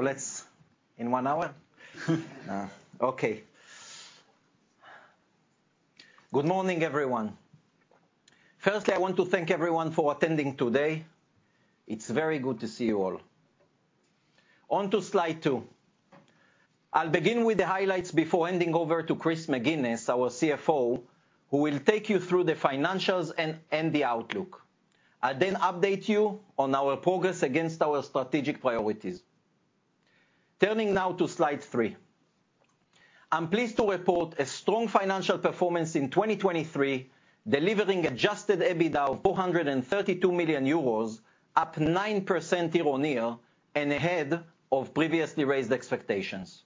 or less, in one hour? Okay. Good morning, everyone. Firstly, I want to thank everyone for attending today. It's very good to see you all. On to Slide 2. I'll begin with the highlights before handing over to Chris McGinnis, our CFO, who will take you through the financials and, and the outlook. I'll then update you on our progress against our strategic priorities. Turning now to Slide 3. I'm pleased to report a strong financial performance in 2023, delivering Adjusted EBITDA of 432 million euros, up 9% year-on-year, and ahead of previously raised expectations.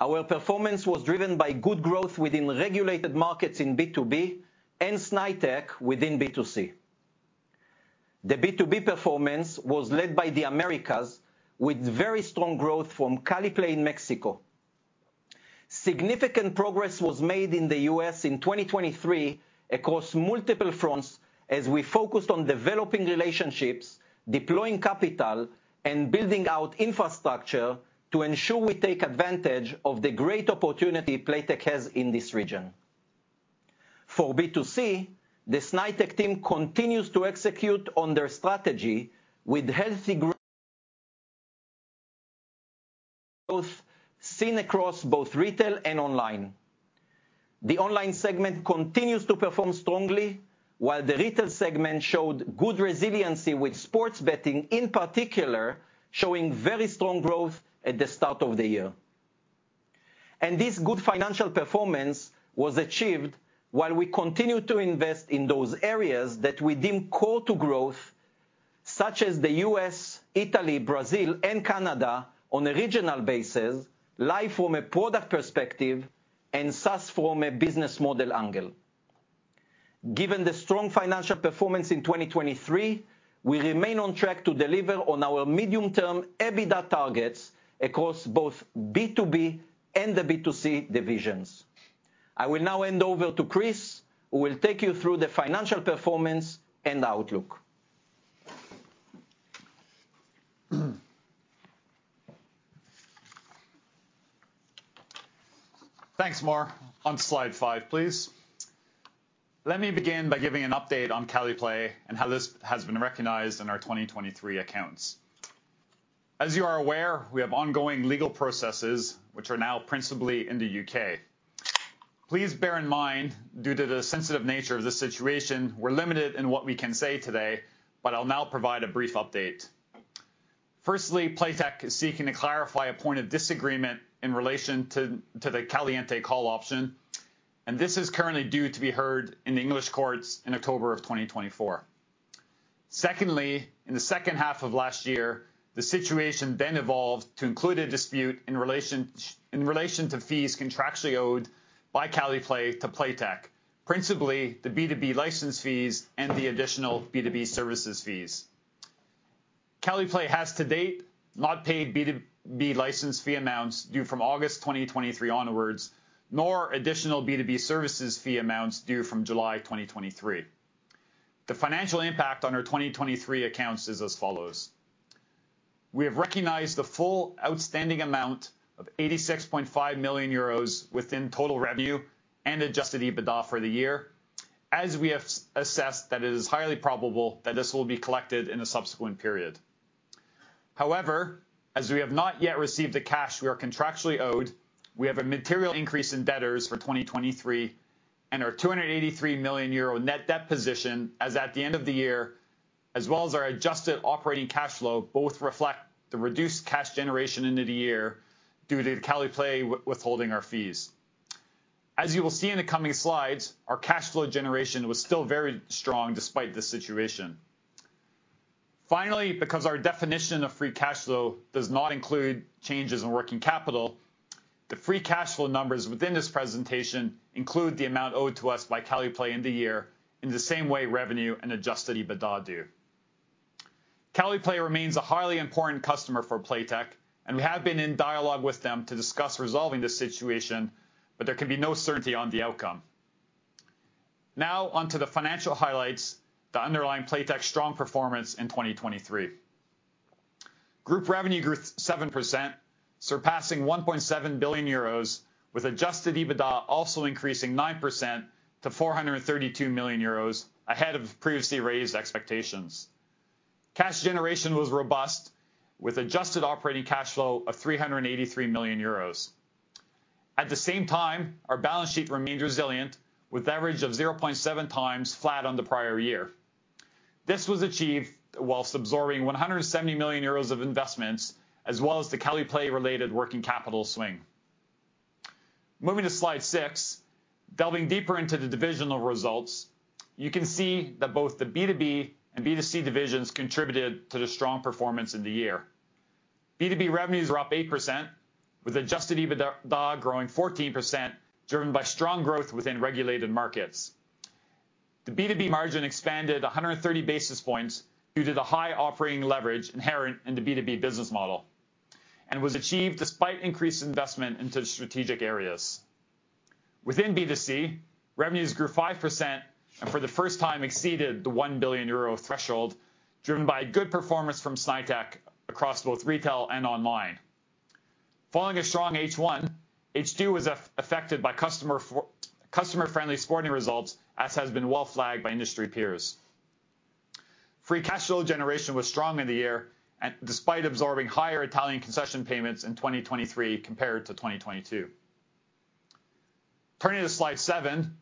Our performance was driven by good growth within regulated markets in B2B and Snaitech within B2C. The B2B performance was led by the Americas, with very strong growth from Caliplay in Mexico. Significant progress was made in the US in 2023 across multiple fronts, as we focused on developing relationships, deploying capital, and building out infrastructure to ensure we take advantage of the great opportunity Playtech has in this region. For B2C, the Snaitech team continues to execute on their strategy with healthy growth, seen across both retail and online. The online segment continues to perform strongly, while the retail segment showed good resiliency with sports betting, in particular, showing very strong growth at the start of the year. This good financial performance was achieved while we continued to invest in those areas that we deem core to growth, such as the U.S., Italy, Brazil and Canada on a regional basis, live from a product perspective and SaaS from a business model angle. Given the strong financial performance in 2023, we remain on track to deliver on our medium-term EBITDA targets across both B2B and the B2C divisions. I will now hand over to Chris, who will take you through the financial performance and outlook. Thanks, Mor. On slide 5, please. Let me begin by giving an update on Caliplay and how this has been recognized in our 2023 accounts. As you are aware, we have ongoing legal processes which are now principally in the U.K.. Please bear in mind, due to the sensitive nature of this situation, we're limited in what we can say today, but I'll now provide a brief update. Firstly, Playtech is seeking to clarify a point of disagreement in relation to the Caliente call option, and this is currently due to be heard in the English courts in October of 2024. Secondly, in the second half of last year, the situation then evolved to include a dispute in relation to fees contractually owed by Caliplay to Playtech, principally the B2B license fees and the additional B2B services fees. Caliplay has, to date, not paid B2B license fee amounts due from August 2023 onwards, nor additional B2B services fee amounts due from July 2023. The financial impact on our 2023 accounts is as follows: we have recognized the full outstanding amount of 86.5 million euros within total revenue and adjusted EBITDA for the year, as we have assessed that it is highly probable that this will be collected in a subsequent period. However, as we have not yet received the cash we are contractually owed, we have a material increase in debtors for 2023 and our 283 million euro net debt position, as at the end of the year, as well as our adjusted operating cash flow, both reflect the reduced cash generation into the year due to Caliplay withholding our fees. As you will see in the coming slides, our cash flow generation was still very strong despite this situation. Finally, because our definition of free cash flow does not include changes in working capital, the free cash flow numbers within this presentation include the amount owed to us by Caliplay in the year, in the same way revenue and Adjusted EBITDA do. Caliplay remains a highly important customer for Playtech, and we have been in dialogue with them to discuss resolving this situation, but there can be no certainty on the outcome. Now, on to the financial highlights that underline Playtech's strong performance in 2023. Group revenue grew 7%, surpassing 1.7 billion euros, with Adjusted EBITDA also increasing 9% to 432 million euros, ahead of previously raised expectations. Cash generation was robust, with adjusted operating cash flow of 383 million euros. At the same time, our balance sheet remained resilient, with average of 0.7x flat on the prior year. This was achieved while absorbing 170 million euros of investments, as well as the Caliplay-related working capital swing. Moving to slide 6. Delving deeper into the divisional results, you can see that both the B2B and B2C divisions contributed to the strong performance in the year. B2B revenues were up 8%, with adjusted EBITDA growing 14%, driven by strong growth within regulated markets. The B2B margin expanded 130 basis points due to the high operating leverage inherent in the B2B business model, and was achieved despite increased investment into strategic areas.... Within B2C, revenues grew 5%, and for the first time exceeded the 1 billion euro threshold, driven by good performance from Snaitech across both retail and online. Following a strong H1, H2 was affected by customer-friendly sporting results, as has been well flagged by industry peers. Free cash flow generation was strong in the year, and despite absorbing higher Italian concession payments in 2023 compared to 2022. Turning to slide 7,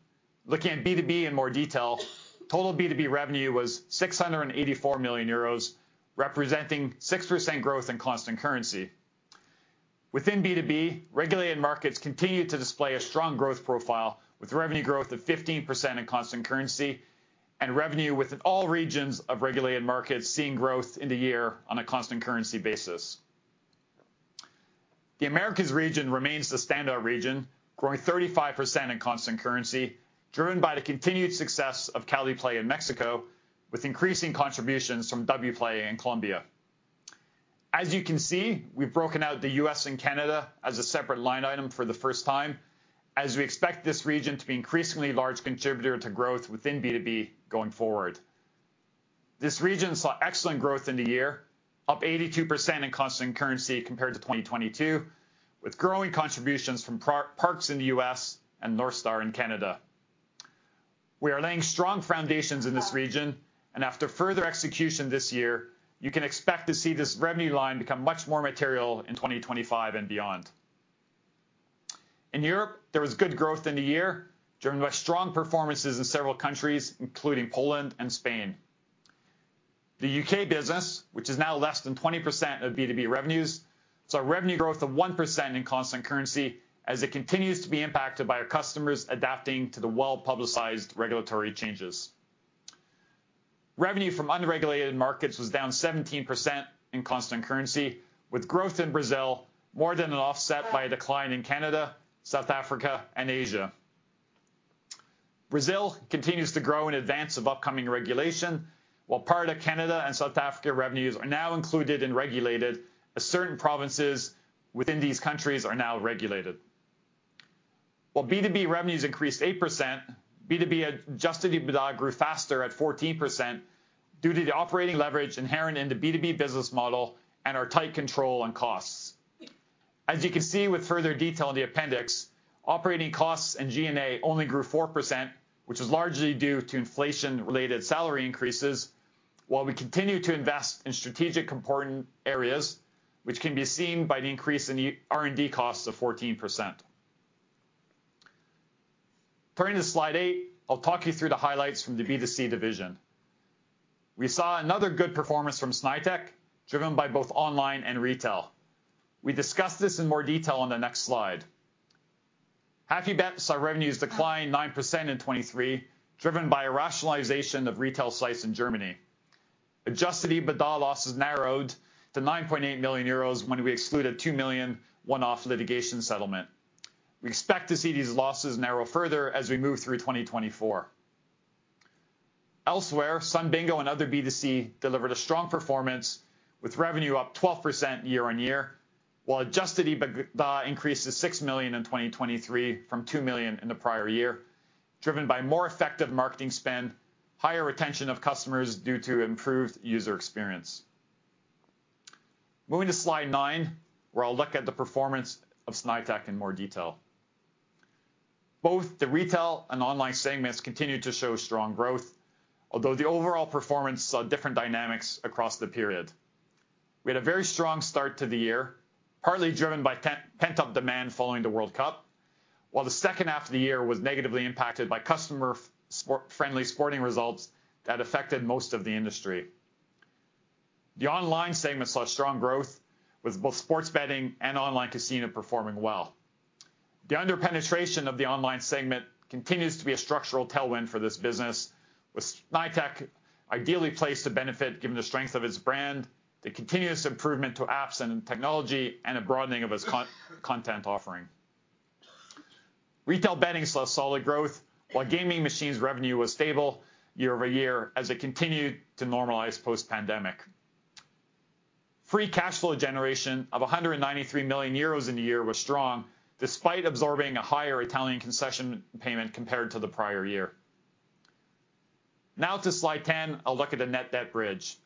looking at B2B in more detail, total B2B revenue was 684 million euros, representing 6% growth in constant currency. Within B2B, regulated markets continued to display a strong growth profile, with revenue growth of 15% in constant currency and revenue within all regions of regulated markets seeing growth in the year on a constant currency basis. The Americas region remains the standout region, growing 35% in constant currency, driven by the continued success of Caliplay in Mexico, with increasing contributions from Wplay in Colombia. As you can see, we've broken out the U.S. and Canada as a separate line item for the first time, as we expect this region to be increasingly large contributor to growth within B2B going forward. This region saw excellent growth in the year, up 82% in constant currency compared to 2022, with growing contributions from Parks in the U.S. and NorthStar in Canada. We are laying strong foundations in this region, and after further execution this year, you can expect to see this revenue line become much more material in 2025 and beyond. In Europe, there was good growth in the year, driven by strong performances in several countries, including Poland and Spain. The U.K. business, which is now less than 20% of B2B revenues, saw revenue growth of 1% in constant currency as it continues to be impacted by our customers adapting to the well-publicized regulatory changes. Revenue from unregulated markets was down 17% in constant currency, with growth in Brazil more than an offset by a decline in Canada, South Africa and Asia. Brazil continues to grow in advance of upcoming regulation, while part of Canada and South Africa revenues are now included and regulated as certain provinces within these countries are now regulated. While B2B revenues increased 8%, B2B Adjusted EBITDA grew faster at 14% due to the operating leverage inherent in the B2B business model and our tight control on costs. As you can see with further detail in the appendix, operating costs and G&A only grew 4%, which is largely due to inflation-related salary increases, while we continue to invest in strategic important areas, which can be seen by the increase in the R&D costs of 14%. Turning to slide 8, I'll talk you through the highlights from the B2C division. We saw another good performance from Snaitech, driven by both online and retail. We discuss this in more detail on the next slide. HAPPYBET saw revenues decline 9% in 2023, driven by a rationalization of retail sites in Germany. Adjusted EBITDA losses narrowed to 9.8 million euros when we excluded 2 million one-off litigation settlement. We expect to see these losses narrow further as we move through 2024. Elsewhere, Sun Bingo and other B2C delivered a strong performance, with revenue up 12% year-on-year, while adjusted EBITDA increased to 6 million in 2023 from 2 million in the prior year, driven by more effective marketing spend, higher retention of customers due to improved user experience. Moving to Slide 9, where I'll look at the performance of Snaitech in more detail. Both the retail and online segments continued to show strong growth, although the overall performance saw different dynamics across the period. We had a very strong start to the year, partly driven by pent-up demand following the World Cup, while the second half of the year was negatively impacted by customer-friendly sporting results that affected most of the industry. The online segment saw strong growth with both sports betting and online casino performing well. The under-penetration of the online segment continues to be a structural tailwind for this business, with Snaitech ideally placed to benefit, given the strength of its brand, the continuous improvement to apps and technology, and a broadening of its content offering. Retail betting saw solid growth, while gaming machines revenue was stable year-over-year as it continued to normalize post-pandemic. Free cash flow generation of 193 million euros in the year was strong, despite absorbing a higher Italian concession payment compared to the prior year. Now to Slide 10, a look at the net debt bridge.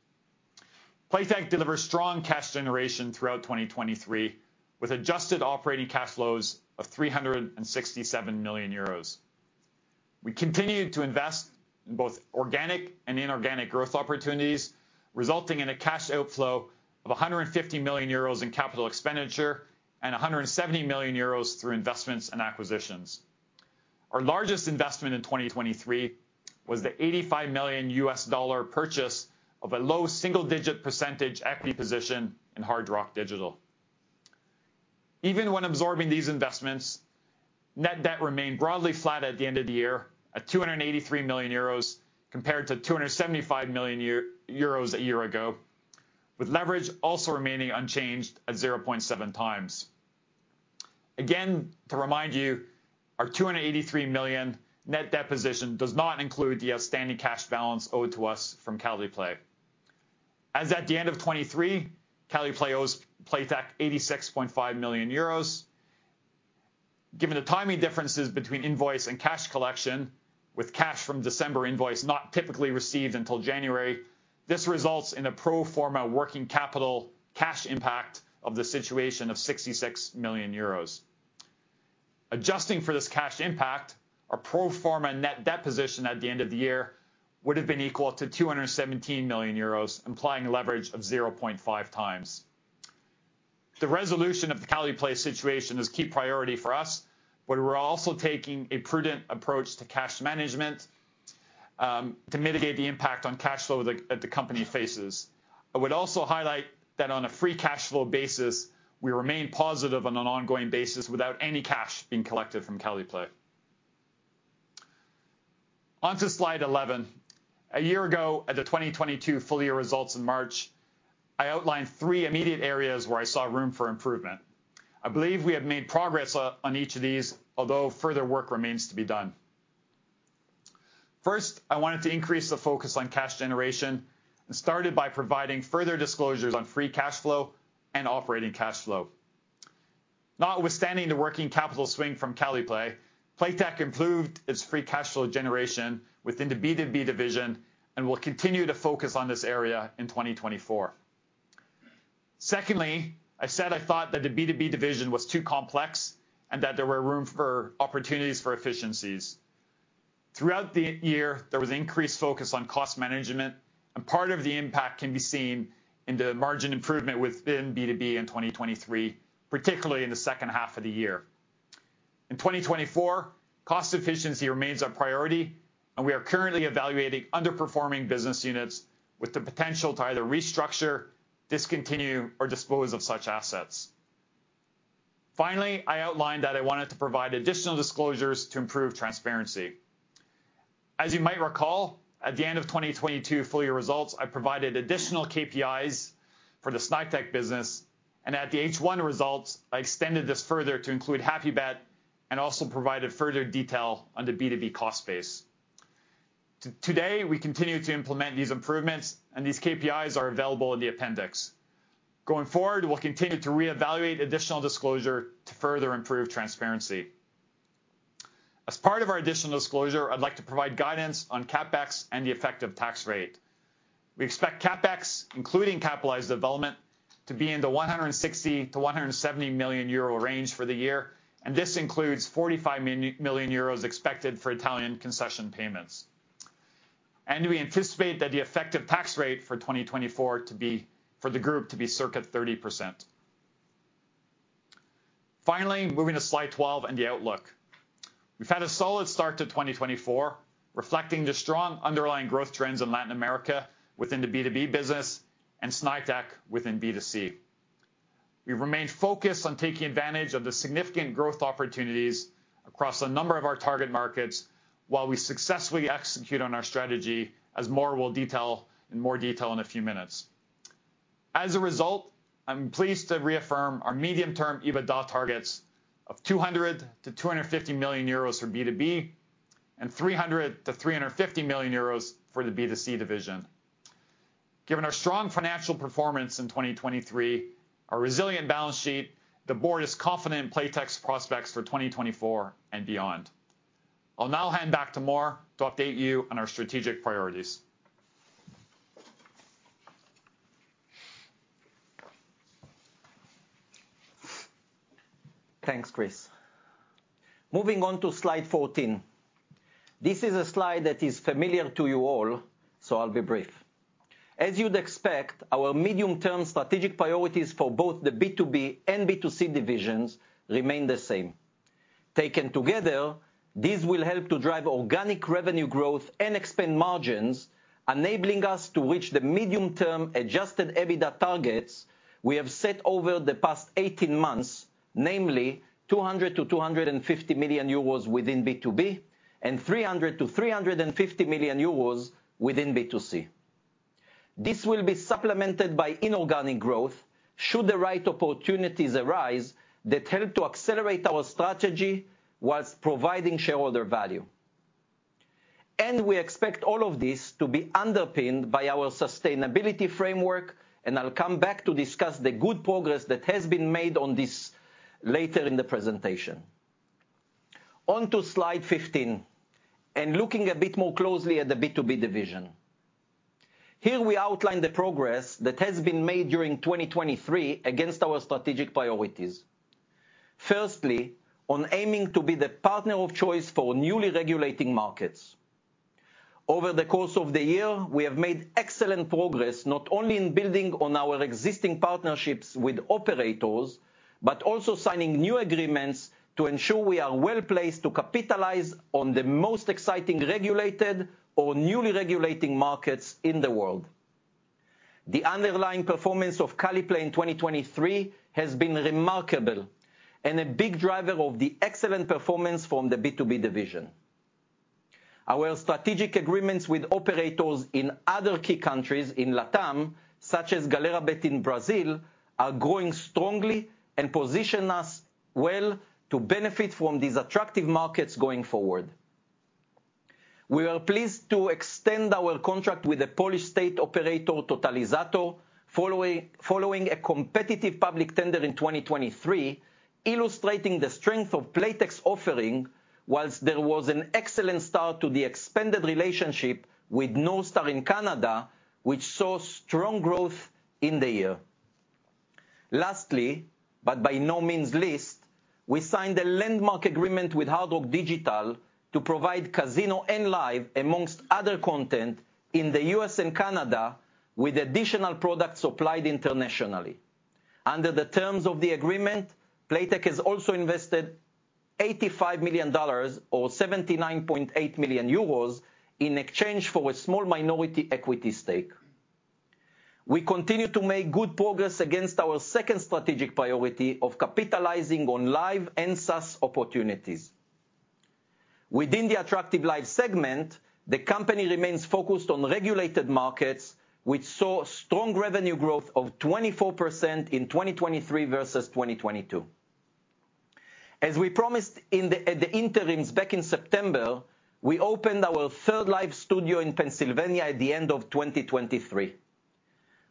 Playtech delivered strong cash generation throughout 2023, with adjusted operating cash flows of 367 million euros. We continued to invest in both organic and inorganic growth opportunities, resulting in a cash outflow of 150 million euros in capital expenditure and 170 million euros through investments and acquisitions. Our largest investment in 2023 was the $85 million purchase of a low single-digit percentage equity position in Hard Rock Digital. Even when absorbing these investments, net debt remained broadly flat at the end of the year at 283 million euros, compared to 275 million euros a year ago, with leverage also remaining unchanged at 0.7 times. Again, to remind you, our 283 million net debt position does not include the outstanding cash balance owed to us from Caliplay. As at the end of 2023, Caliplay owes Playtech 86.5 million euros. Given the timing differences between invoice and cash collection, with cash from December invoice not typically received until January, this results in a pro forma working capital cash impact of the situation of 66 million euros. Adjusting for this cash impact, our pro forma net debt position at the end of the year would have been equal to 217 million euros, implying a leverage of 0.5 times. The resolution of the Caliplay situation is key priority for us, but we're also taking a prudent approach to cash management to mitigate the impact on cash flow that the company faces. I would also highlight that on a free cash flow basis, we remain positive on an ongoing basis without any cash being collected from Caliplay. Onto slide eleven. A year ago, at the 2022 full year results in March, I outlined three immediate areas where I saw room for improvement. I believe we have made progress on each of these, although further work remains to be done. First, I wanted to increase the focus on cash generation, and started by providing further disclosures on free cash flow and operating cash flow. Notwithstanding the working capital swing from Caliplay, Playtech improved its free cash flow generation within the B2B division, and will continue to focus on this area in 2024. Secondly, I said I thought that the B2B division was too complex, and that there were room for opportunities for efficiencies. Throughout the year, there was increased focus on cost management, and part of the impact can be seen in the margin improvement within B2B in 2023, particularly in the second half of the year. In 2024, cost efficiency remains our priority, and we are currently evaluating underperforming business units with the potential to either restructure, discontinue, or dispose of such assets. Finally, I outlined that I wanted to provide additional disclosures to improve transparency. As you might recall, at the end of 2022 full year results, I provided additional KPIs for the Snaitech business, and at the H1 results, I extended this further to include HAPPYBET, and also provided further detail on the B2B cost base. Today, we continue to implement these improvements, and these KPIs are available in the appendix. Going forward, we'll continue to reevaluate additional disclosure to further improve transparency. As part of our additional disclosure, I'd like to provide guidance on CapEx and the effective tax rate. We expect CapEx, including capitalized development, to be in the 160 million-170 million euro range for the year, and this includes 45 million euros expected for Italian concession payments. We anticipate that the effective tax rate for 2024 to be, for the group, to be circa 30%. Finally, moving to slide 12 and the outlook. We've had a solid start to 2024, reflecting the strong underlying growth trends in Latin America within the B2B business, and Snaitech within B2C. We've remained focused on taking advantage of the significant growth opportunities across a number of our target markets, while we successfully execute on our strategy, as Mor will detail in more detail in a few minutes. As a result, I'm pleased to reaffirm our medium-term EBITDA targets of 200 million-250 million euros for B2B, and 300 million-350 million euros for the B2C division. Given our strong financial performance in 2023, our resilient balance sheet, the board is confident in Playtech's prospects for 2024 and beyond. I'll now hand back to Mor to update you on our strategic priorities. Thanks, Chris. Moving on to Slide 14. This is a slide that is familiar to you all, so I'll be brief. As you'd expect, our medium-term strategic priorities for both the B2B and B2C divisions remain the same. Taken together, these will help to drive organic revenue growth and expand margins, enabling us to reach the medium-term adjusted EBITDA targets we have set over the past 18 months. Namely, 200 million-250 million euros within B2B, and 300 million-350 million euros within B2C. This will be supplemented by inorganic growth, should the right opportunities arise, that help to accelerate our strategy while providing shareholder value. And we expect all of this to be underpinned by our sustainability framework, and I'll come back to discuss the good progress that has been made on this later in the presentation. Onto slide 15, and looking a bit more closely at the B2B division. Here we outline the progress that has been made during 2023 against our strategic priorities. Firstly, on aiming to be the partner of choice for newly regulating markets. Over the course of the year, we have made excellent progress, not only in building on our existing partnerships with operators, but also signing new agreements to ensure we are well placed to capitalize on the most exciting regulated or newly regulating markets in the world. The underlying performance of Caliplay in 2023 has been remarkable, and a big driver of the excellent performance from the B2B division. Our strategic agreements with operators in other key countries in LATAM, such as Galera.bet in Brazil, are growing strongly and position us well to benefit from these attractive markets going forward. We are pleased to extend our contract with the Polish state operator, Totalizator, following a competitive public tender in 2023, illustrating the strength of Playtech's offering, while there was an excellent start to the expanded relationship with Northstar in Canada, which saw strong growth in the year. Lastly, but by no means least, we signed a landmark agreement with Hard Rock Digital to provide casino and live, amongst other content, in the US and Canada, with additional products supplied internationally. Under the terms of the agreement, Playtech has also invested $85 million or 79.8 million euros, in exchange for a small minority equity stake. We continue to make good progress against our second strategic priority of capitalizing on live and SaaS opportunities. Within the attractive live segment, the company remains focused on regulated markets, which saw strong revenue growth of 24% in 2023 versus 2022. As we promised at the interims back in September, we opened our third live studio in Pennsylvania at the end of 2023.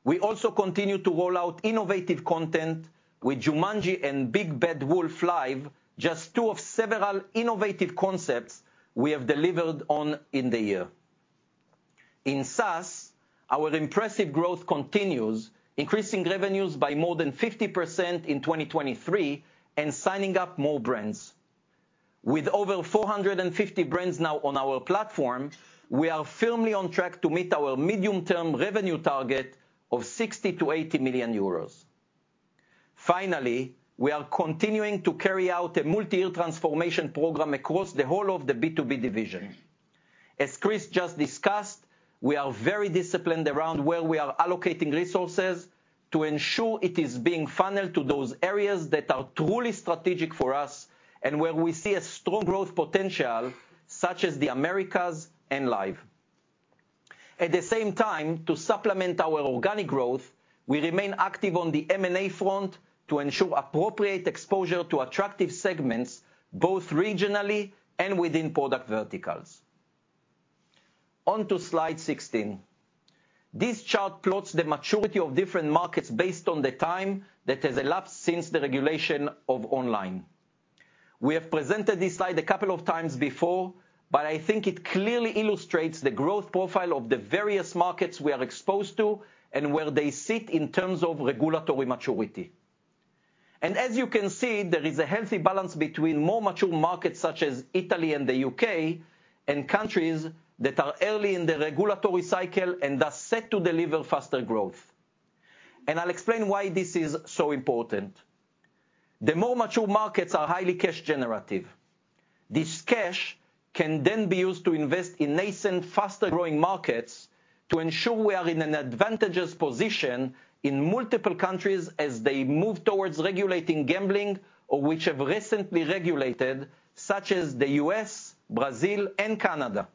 We also continued to roll out innovative content with Jumanji and Big Bad Wolf Live, just two of several innovative concepts we have delivered on in the year. In SaaS, our impressive growth continues, increasing revenues by more than 50% in 2023, and signing up more brands. With over 450 brands now on our platform, we are firmly on track to meet our medium-term revenue target of 60 million-80 million euros. Finally, we are continuing to carry out a multi-year transformation program across the whole of the B2B division. As Chris just discussed, we are very disciplined around where we are allocating resources to ensure it is being funneled to those areas that are truly strategic for us, and where we see a strong growth potential, such as the Americas and live. At the same time, to supplement our organic growth, we remain active on the M&A front to ensure appropriate exposure to attractive segments, both regionally and within product verticals. On to Slide 16. This chart plots the maturity of different markets based on the time that has elapsed since the regulation of online. We have presented this slide a couple of times before, but I think it clearly illustrates the growth profile of the various markets we are exposed to, and where they sit in terms of regulatory maturity. As you can see, there is a healthy balance between more mature markets, such as Italy and the U.K., and countries that are early in the regulatory cycle and are set to deliver faster growth. I'll explain why this is so important. The more mature markets are highly cash generative. This cash can then be used to invest in nascent, faster-growing markets to ensure we are in an advantageous position in multiple countries as they move towards regulating gambling, or which have recently regulated, such as the U.S., Brazil, and Canada.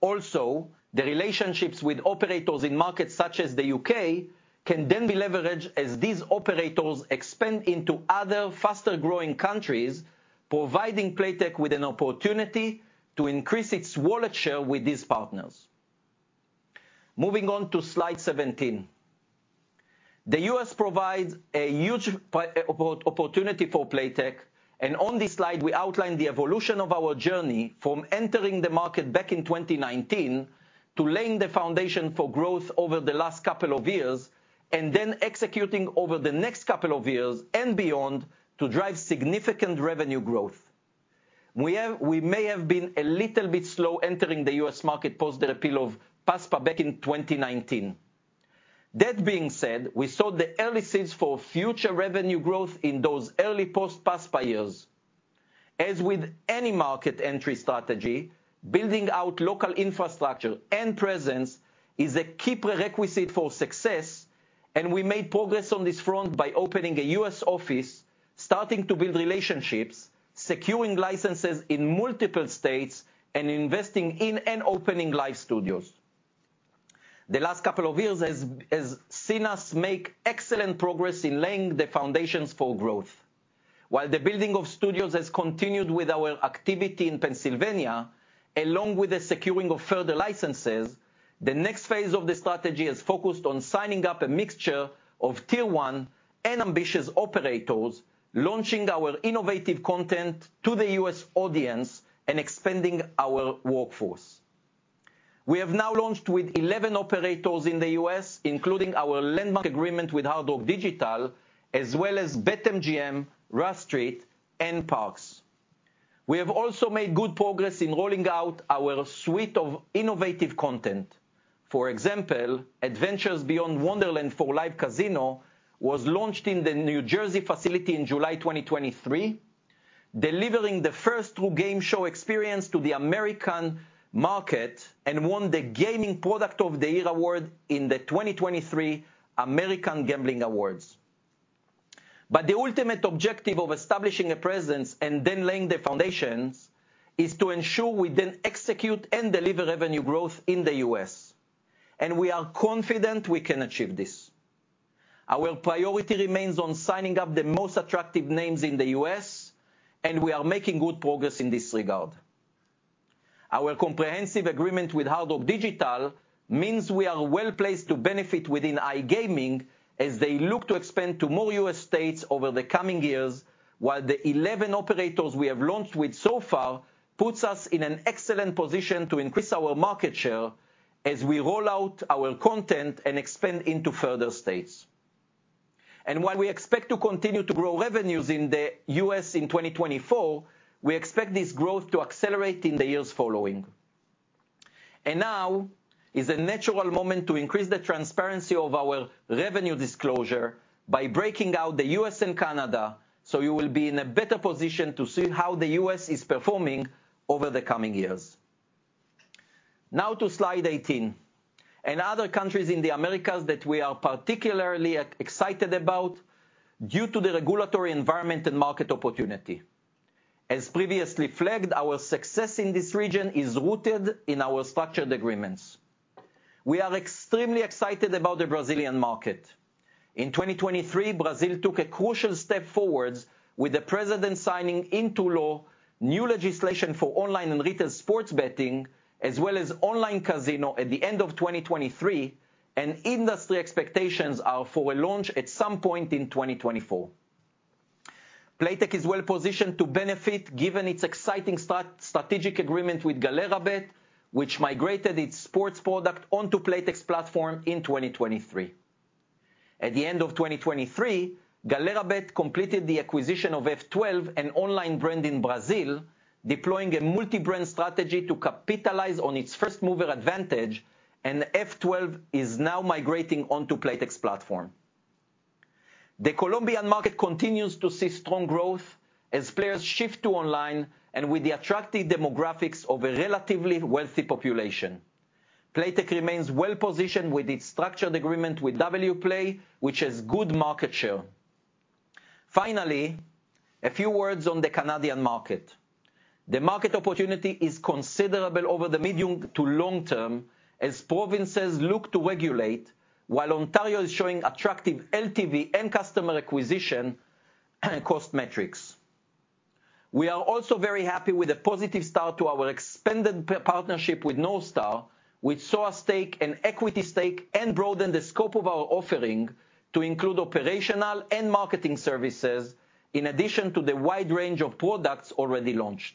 Also, the relationships with operators in markets such as the U.K., can then be leveraged as these operators expand into other faster-growing countries, providing Playtech with an opportunity to increase its wallet share with these partners. Moving on to Slide 17. The US provides a huge opportunity for Playtech, and on this slide, we outline the evolution of our journey from entering the market back in 2019, to laying the foundation for growth over the last couple of years, and then executing over the next couple of years and beyond, to drive significant revenue growth. We may have been a little bit slow entering the U.S. market post the repeal of PASPA back in 2019. That being said, we saw the early seeds for future revenue growth in those early post-PASPA years. As with any market entry strategy, building out local infrastructure and presence is a key prerequisite for success, and we made progress on this front by opening a U.S. office, starting to build relationships, securing licenses in multiple states, and investing in and opening live studios. The last couple of years has seen us make excellent progress in laying the foundations for growth. While the building of studios has continued with our activity in Pennsylvania, along with the securing of further licenses, the next phase of the strategy is focused on signing up a mixture of tier one and ambitious operators, launching our innovative content to the U.S. audience, and expanding our workforce. We have now launched with 11 operators in the U.S., including our landmark agreement with Hard Rock Digital, as well as BetMGM, Rush Street, and Parks. We have also made good progress in rolling out our suite of innovative content. For example, Adventures Beyond Wonderland for Live Casino was launched in the New Jersey facility in July 2023, delivering the first true game show experience to the American market, and won the Gaming Product of the Year award in the 2023 American Gambling Awards. But the ultimate objective of establishing a presence and then laying the foundations is to ensure we then execute and deliver revenue growth in the US, and we are confident we can achieve this.... Our priority remains on signing up the most attractive names in the U.S., and we are making good progress in this regard. Our comprehensive agreement with Hard Rock Digital means we are well-placed to benefit within iGaming as they look to expand to more U.S. states over the coming years, while the 11 operators we have launched with so far, puts us in an excellent position to increase our market share as we roll out our content and expand into further states. And while we expect to continue to grow revenues in the U.S. in 2024, we expect this growth to accelerate in the years following. And now is a natural moment to increase the transparency of our revenue disclosure by breaking out the U.S. and Canada, so you will be in a better position to see how the U.S. is performing over the coming years. Now to Slide 18. In other countries in the Americas that we are particularly excited about due to the regulatory environment and market opportunity. As previously flagged, our success in this region is rooted in our structured agreements. We are extremely excited about the Brazilian market. In 2023, Brazil took a crucial step forward with the president signing into law new legislation for online and retail sports betting, as well as online casino at the end of 2023, and industry expectations are for a launch at some point in 2024. Playtech is well positioned to benefit, given its exciting strategic agreement with Galera.bet, which migrated its sports product onto Playtech's platform in 2023. At the end of 2023, Galera.bet completed the acquisition of F12, an online brand in Brazil, deploying a multi-brand strategy to capitalize on its first mover advantage, and F12 is now migrating onto Playtech's platform. The Colombian market continues to see strong growth as players shift to online, and with the attractive demographics of a relatively wealthy population. Playtech remains well positioned with its structured agreement with Wplay, which has good market share. Finally, a few words on the Canadian market. The market opportunity is considerable over the medium to long term as provinces look to regulate, while Ontario is showing attractive LTV and customer acquisition cost metrics. We are also very happy with the positive start to our expanded partnership with NorthStar, which saw us take an equity stake and broaden the scope of our offering to include operational and marketing services, in addition to the wide range of products already launched.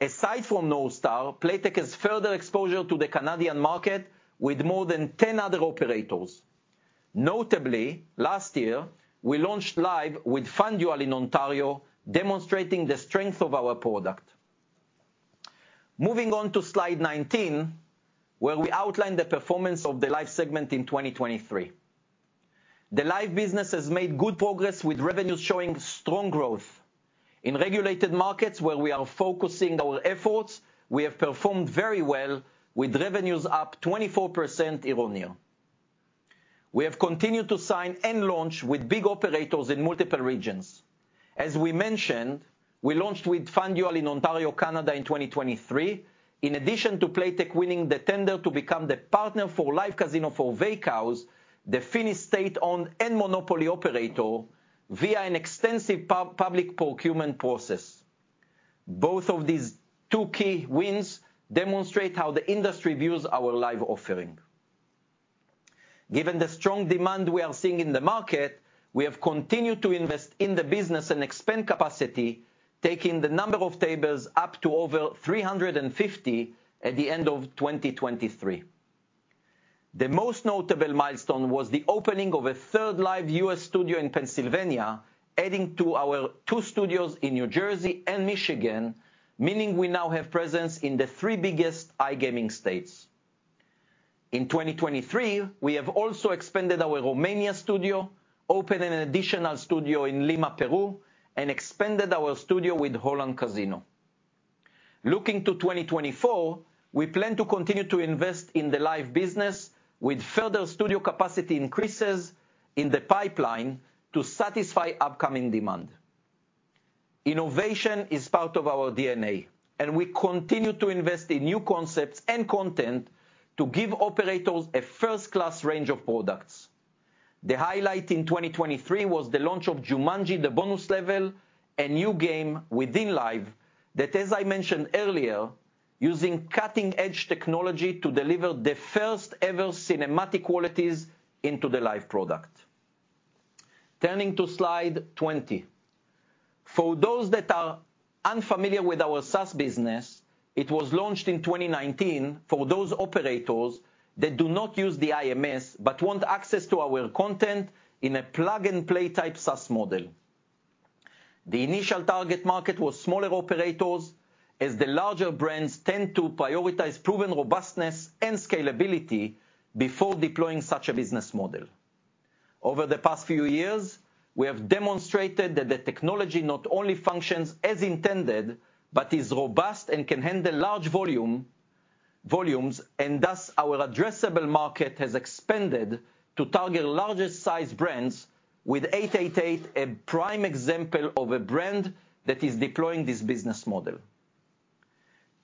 Aside from NorthStar, Playtech has further exposure to the Canadian market with more than 10 other operators. Notably, last year, we launched live with FanDuel in Ontario, demonstrating the strength of our product. Moving on to Slide 19, where we outline the performance of the live segment in 2023. The live business has made good progress with revenues showing strong growth. In regulated markets, where we are focusing our efforts, we have performed very well, with revenues up 24% year-on-year. We have continued to sign and launch with big operators in multiple regions. As we mentioned, we launched with FanDuel in Ontario, Canada, in 2023, in addition to Playtech winning the tender to become the partner for live casino for Veikkaus, the Finnish state-owned and monopoly operator, via an extensive public procurement process. Both of these two key wins demonstrate how the industry views our live offering. Given the strong demand we are seeing in the market, we have continued to invest in the business and expand capacity, taking the number of tables up to over 350 at the end of 2023. The most notable milestone was the opening of a third live U.S. studio in Pennsylvania, adding to our two studios in New Jersey and Michigan, meaning we now have presence in the three biggest iGaming states. In 2023, we have also expanded our Romania studio, opened an additional studio in Lima, Peru, and expanded our studio with Holland Casino. Looking to 2024, we plan to continue to invest in the live business with further studio capacity increases in the pipeline to satisfy upcoming demand. Innovation is part of our DNA, and we continue to invest in new concepts and content to give operators a first-class range of products. The highlight in 2023 was the launch of Jumanji: The Bonus Level, a new game within live, that, as I mentioned earlier, using cutting-edge technology to deliver the first-ever cinematic qualities into the live product. Turning to Slide 20. For those that are unfamiliar with our SaaS business, it was launched in 2019 for those operators that do not use the IMS, but want access to our content in a plug-and-play type SaaS model. The initial target market was smaller operators, as the larger brands tend to prioritize proven robustness and scalability before deploying such a business model. Over the past few years, we have demonstrated that the technology not only functions as intended, but is robust and can handle large volumes, and thus, our addressable market has expanded to target larger size brands, with 888, a prime example of a brand that is deploying this business model.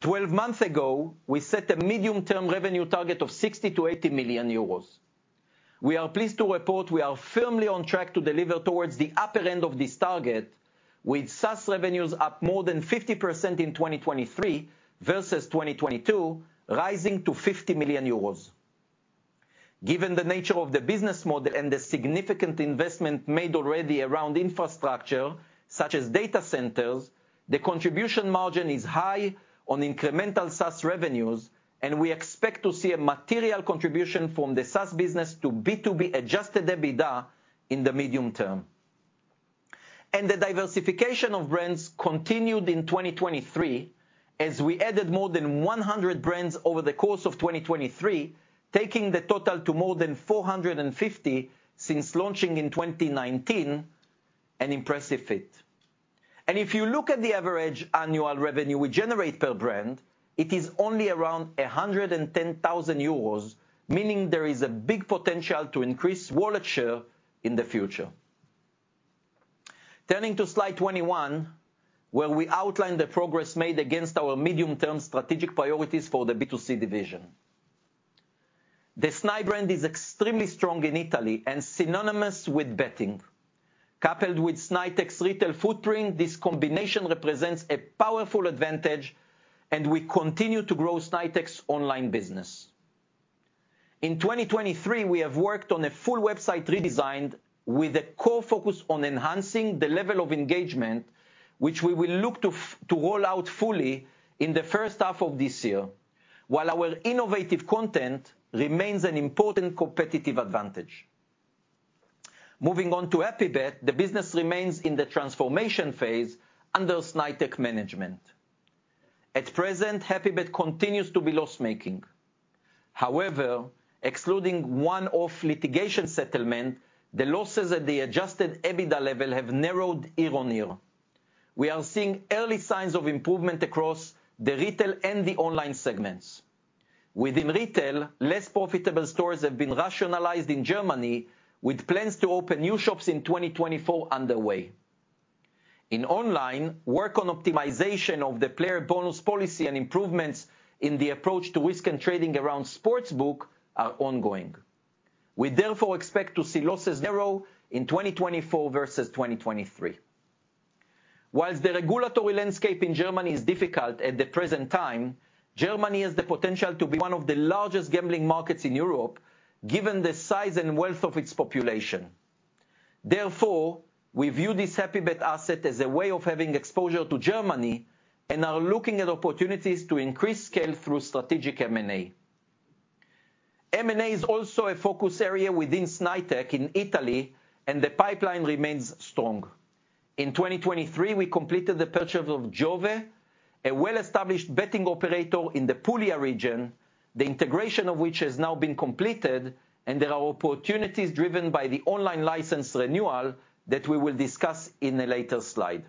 Twelve months ago, we set a medium-term revenue target of 60 million-80 million euros. We are pleased to report we are firmly on track to deliver towards the upper end of this target, with SaaS revenues up more than 50% in 2023 versus 2022, rising to 50 million euros. Given the nature of the business model and the significant investment made already around infrastructure, such as data centers, the contribution margin is high on incremental SaaS revenues, and we expect to see a material contribution from the SaaS business to B2B adjusted EBITDA in the medium term. The diversification of brands continued in 2023, as we added more than 100 brands over the course of 2023, taking the total to more than 450 since launching in 2019, an impressive fit. If you look at the average annual revenue we generate per brand, it is only around 110,000 euros, meaning there is a big potential to increase wallet share in the future. Turning to slide 21, where we outline the progress made against our medium-term strategic priorities for the B2C division. The Snai brand is extremely strong in Italy and synonymous with betting. Coupled with Snaitech's retail footprint, this combination represents a powerful advantage, and we continue to grow Snaitech's online business. In 2023, we have worked on a full website redesign, with a core focus on enhancing the level of engagement, which we will look to to roll out fully in the first half of this year, while our innovative content remains an important competitive advantage. Moving on to HAPPYBET, the business remains in the transformation phase under Snaitech management. At present, HAPPYBET continues to be loss-making. However, excluding one-off litigation settlement, the losses at the Adjusted EBITDA level have narrowed year-over-year. We are seeing early signs of improvement across the retail and the online segments. Within retail, less profitable stores have been rationalized in Germany, with plans to open new shops in 2024 underway. In online, work on optimization of the player bonus policy and improvements in the approach to risk and trading around sports book are ongoing. We therefore expect to see losses narrow in 2024 versus 2023. While the regulatory landscape in Germany is difficult at the present time, Germany has the potential to be one of the largest gambling markets in Europe, given the size and wealth of its population. Therefore, we view this HAPPYBET asset as a way of having exposure to Germany and are looking at opportunities to increase scale through strategic M&A. M&A is also a focus area within Snaitech in Italy, and the pipeline remains strong. In 2023, we completed the purchase of Giove, a well-established betting operator in the Puglia region, the integration of which has now been completed, and there are opportunities driven by the online license renewal that we will discuss in a later slide.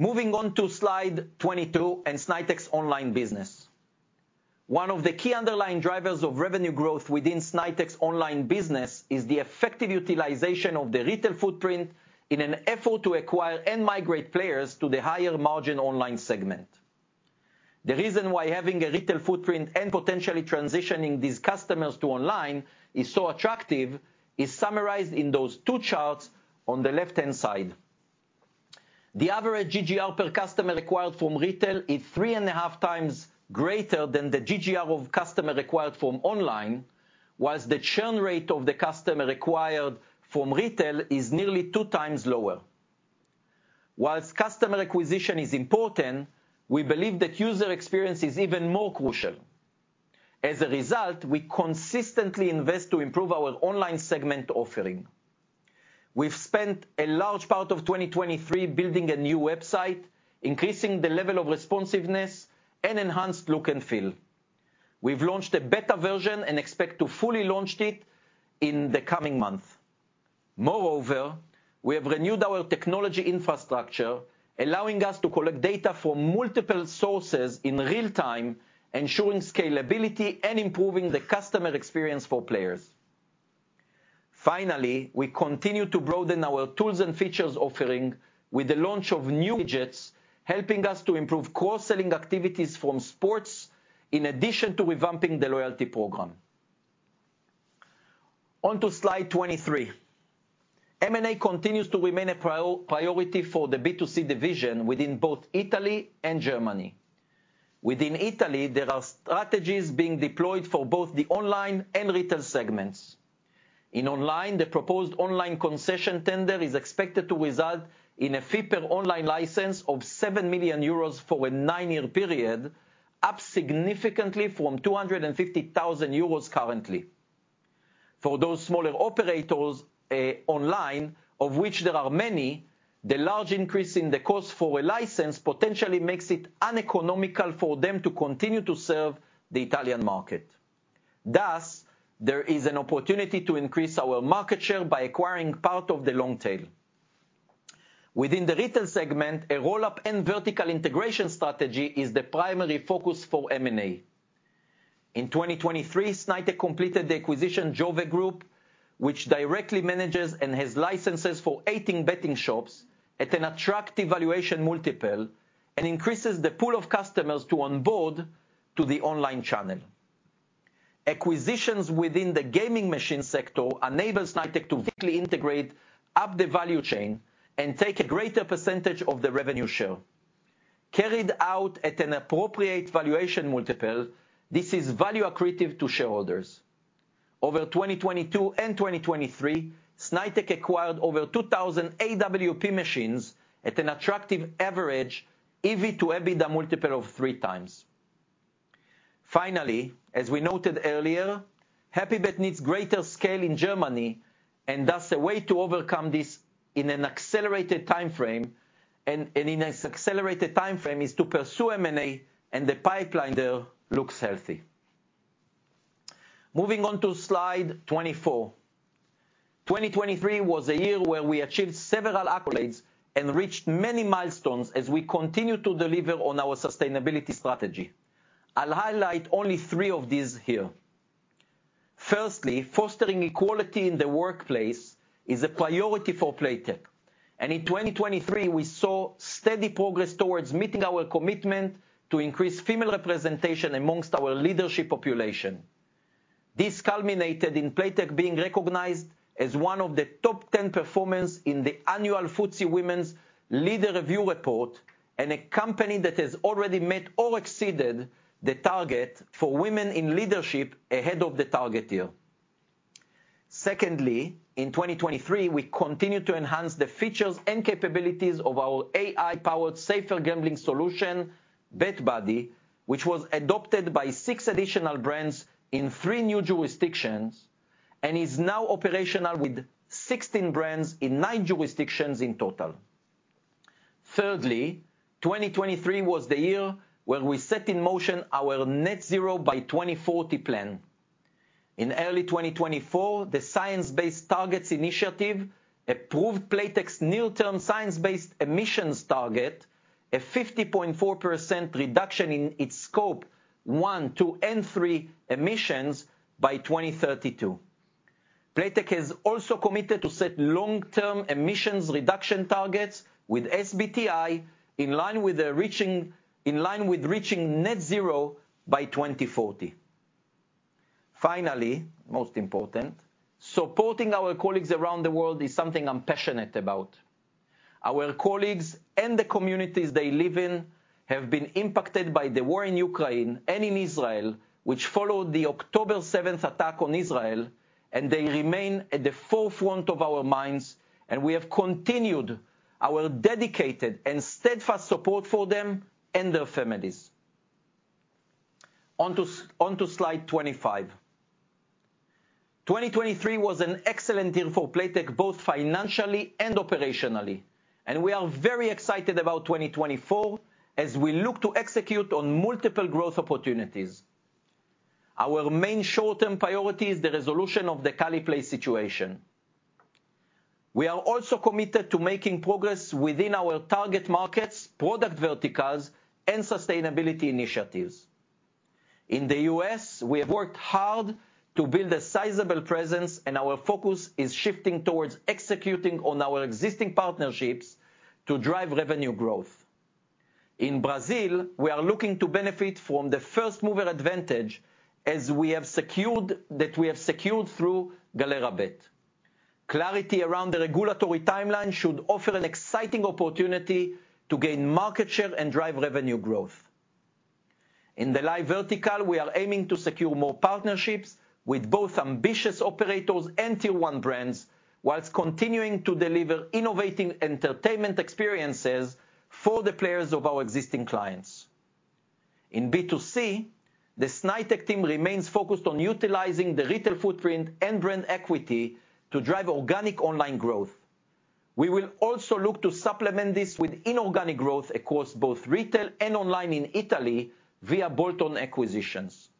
Moving on to Slide 22 and Snaitech's online business. One of the key underlying drivers of revenue growth within Snaitech's online business is the effective utilization of the retail footprint in an effort to acquire and migrate players to the higher margin online segment. The reason why having a retail footprint and potentially transitioning these customers to online is so attractive is summarized in those two charts on the left-hand side. The average GGR per customer acquired from retail is 3.5 times greater than the GGR of customer acquired from online, while the churn rate of the customer acquired from retail is nearly two times lower. While customer acquisition is important, we believe that user experience is even more crucial. As a result, we consistently invest to improve our online segment offering. We've spent a large part of 2023 building a new website, increasing the level of responsiveness and enhanced look and feel. We've launched a beta version and expect to fully launch it in the coming month. Moreover, we have renewed our technology infrastructure, allowing us to collect data from multiple sources in real time, ensuring scalability and improving the customer experience for players. Finally, we continue to broaden our tools and features offering with the launch of new widgets, helping us to improve cross-selling activities from sports, in addition to revamping the loyalty program. On to Slide 23. M&A continues to remain a priority for the B2C division within both Italy and Germany. Within Italy, there are strategies being deployed for both the online and retail segments. In online, the proposed online concession tender is expected to result in a fee per online license of 7 million euros for a nine-year period, up significantly from 250,000 euros currently. For those smaller operators, online, of which there are many, the large increase in the cost for a license potentially makes it uneconomical for them to continue to serve the Italian market. Thus, there is an opportunity to increase our market share by acquiring part of the long tail. Within the retail segment, a roll-up and vertical integration strategy is the primary focus for M&A. In 2023, Snaitech completed the acquisition Giove Group, which directly manages and has licenses for 18 betting shops at an attractive valuation multiple, and increases the pool of customers to onboard to the online channel. Acquisitions within the gaming machine sector enables Snaitech to quickly integrate up the value chain and take a greater percentage of the revenue share. Carried out at an appropriate valuation multiple, this is value accretive to shareholders. Over 2022 and 2023, Snaitech acquired over 2,000 AWP machines at an attractive average EV to EBITDA multiple of 3x. Finally, as we noted earlier, HAPPYBET needs greater scale in Germany, and thus a way to overcome this in an accelerated timeframe is to pursue M&A, and the pipeline there looks healthy. Moving on to slide 24. 2023 was a year where we achieved several accolades and reached many milestones as we continue to deliver on our sustainability strategy. I'll highlight only three of these here. Firstly, fostering equality in the workplace is a priority for Playtech, and in 2023, we saw steady progress towards meeting our commitment to increase female representation amongst our leadership population. This culminated in Playtech being recognized as one of the top 10 performers in the annual FTSE Women's Leaders Review report, and a company that has already met or exceeded the target for women in leadership ahead of the target year. Secondly, in 2023, we continued to enhance the features and capabilities of our AI-powered safer gambling solution, BetBuddy, which was adopted by six additional brands in three new jurisdictions, and is now operational with 16 brands in nine jurisdictions in total. Thirdly, 2023 was the year where we set in motion our Net Zero by 2040 plan. In early 2024, the Science Based Targets initiative approved Playtech's near-term science-based emissions target, a 50.4% reduction in its Scope 1, 2, and 3 emissions by 2032. Playtech has also committed to set long-term emissions reduction targets with SBTi, in line with the reaching, in line with reaching Net Zero by 2040. Finally, most important, supporting our colleagues around the world is something I'm passionate about. Our colleagues and the communities they live in have been impacted by the war in Ukraine and in Israel, which followed the October seventh attack on Israel, and they remain at the forefront of our minds, and we have continued our dedicated and steadfast support for them and their families. On to slide 25. 2023 was an excellent year for Playtech, both financially and operationally, and we are very excited about 2024 as we look to execute on multiple growth opportunities. Our main short-term priority is the resolution of the Caliplay situation. We are also committed to making progress within our target markets, product verticals, and sustainability initiatives. In the U.S., we have worked hard to build a sizable presence, and our focus is shifting towards executing on our existing partnerships to drive revenue growth. In Brazil, we are looking to benefit from the first-mover advantage, as we have secured through Galera.bet. Clarity around the regulatory timeline should offer an exciting opportunity to gain market share and drive revenue growth. In the live vertical, we are aiming to secure more partnerships with both ambitious operators and Tier One brands, while continuing to deliver innovative entertainment experiences for the players of our existing clients. In B2C, the Snaitech team remains focused on utilizing the retail footprint and brand equity to drive organic online growth. We will also look to supplement this with inorganic growth across both retail and online in Italy via bolt-on acquisitions.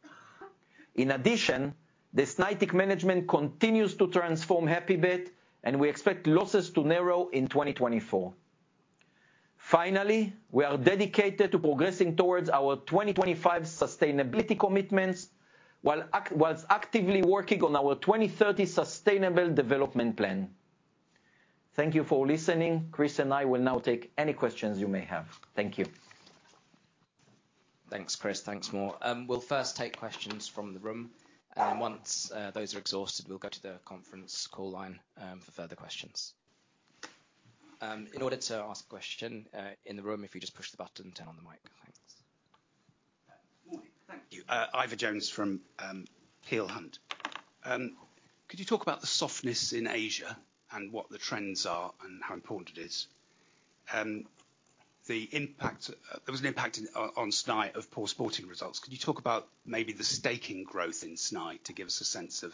In addition, the Snaitech management continues to transform HAPPYBET, and we expect losses to narrow in 2024. Finally, we are dedicated to progressing towards our 2025 sustainability commitments, while whilst actively working on our 2030 sustainable development plan. Thank you for listening. Chris and I will now take any questions you may have. Thank you. Thanks, Chris. Thanks, Mor. We'll first take questions from the room, and once those are exhausted, we'll go to the conference call line for further questions. In order to ask a question in the room, if you just push the button, turn on the mic. Thanks. Good morning. Thank you. Ivor Jones from Peel Hunt. Could you talk about the softness in Asia, and what the trends are and how important it is? The impact. There was an impact on Snai of poor sporting results. Could you talk about maybe the staking growth in Snai to give us a sense of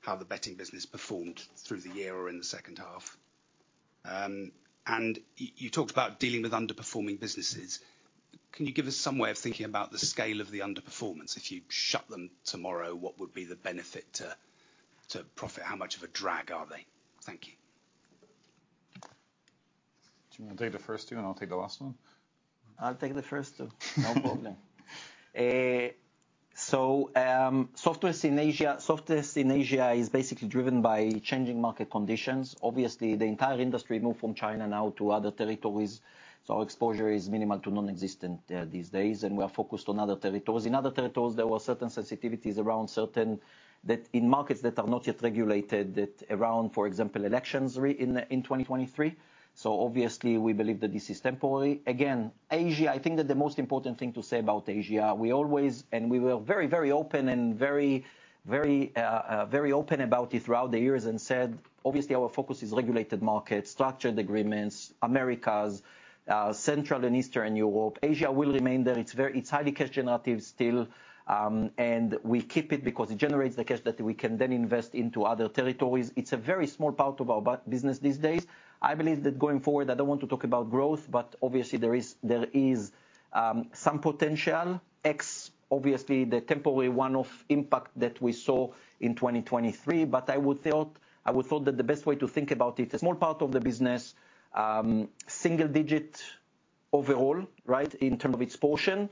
how the betting business performed through the year or in the second half? And you talked about dealing with underperforming businesses. Can you give us some way of thinking about the scale of the underperformance? If you shut them tomorrow, what would be the benefit to profit? How much of a drag are they? Thank you.... You want to take the first two, and I'll take the last one? I'll take the first two. No problem. So, softwares in Asia, softwares in Asia is basically driven by changing market conditions. Obviously, the entire industry moved from China now to other territories, so our exposure is minimal to non-existent these days, and we are focused on other territories. In other territories, there were certain sensitivities around certain, that in markets that are not yet regulated, that around, for example, elections in 2023. So obviously, we believe that this is temporary. Again, Asia, I think that the most important thing to say about Asia, we always, and we were very, very open and very, very very open about it throughout the years and said, obviously, our focus is regulated markets, structured agreements, Americas, Central and Eastern Europe. Asia will remain there. It's highly cash generative still, and we keep it because it generates the cash that we can then invest into other territories. It's a very small part of our business these days. I believe that going forward, I don't want to talk about growth, but obviously there is some potential. X, obviously, the temporary one-off impact that we saw in 2023, but I would thought that the best way to think about it, a small part of the business, single digit overall, right, in terms of its portion.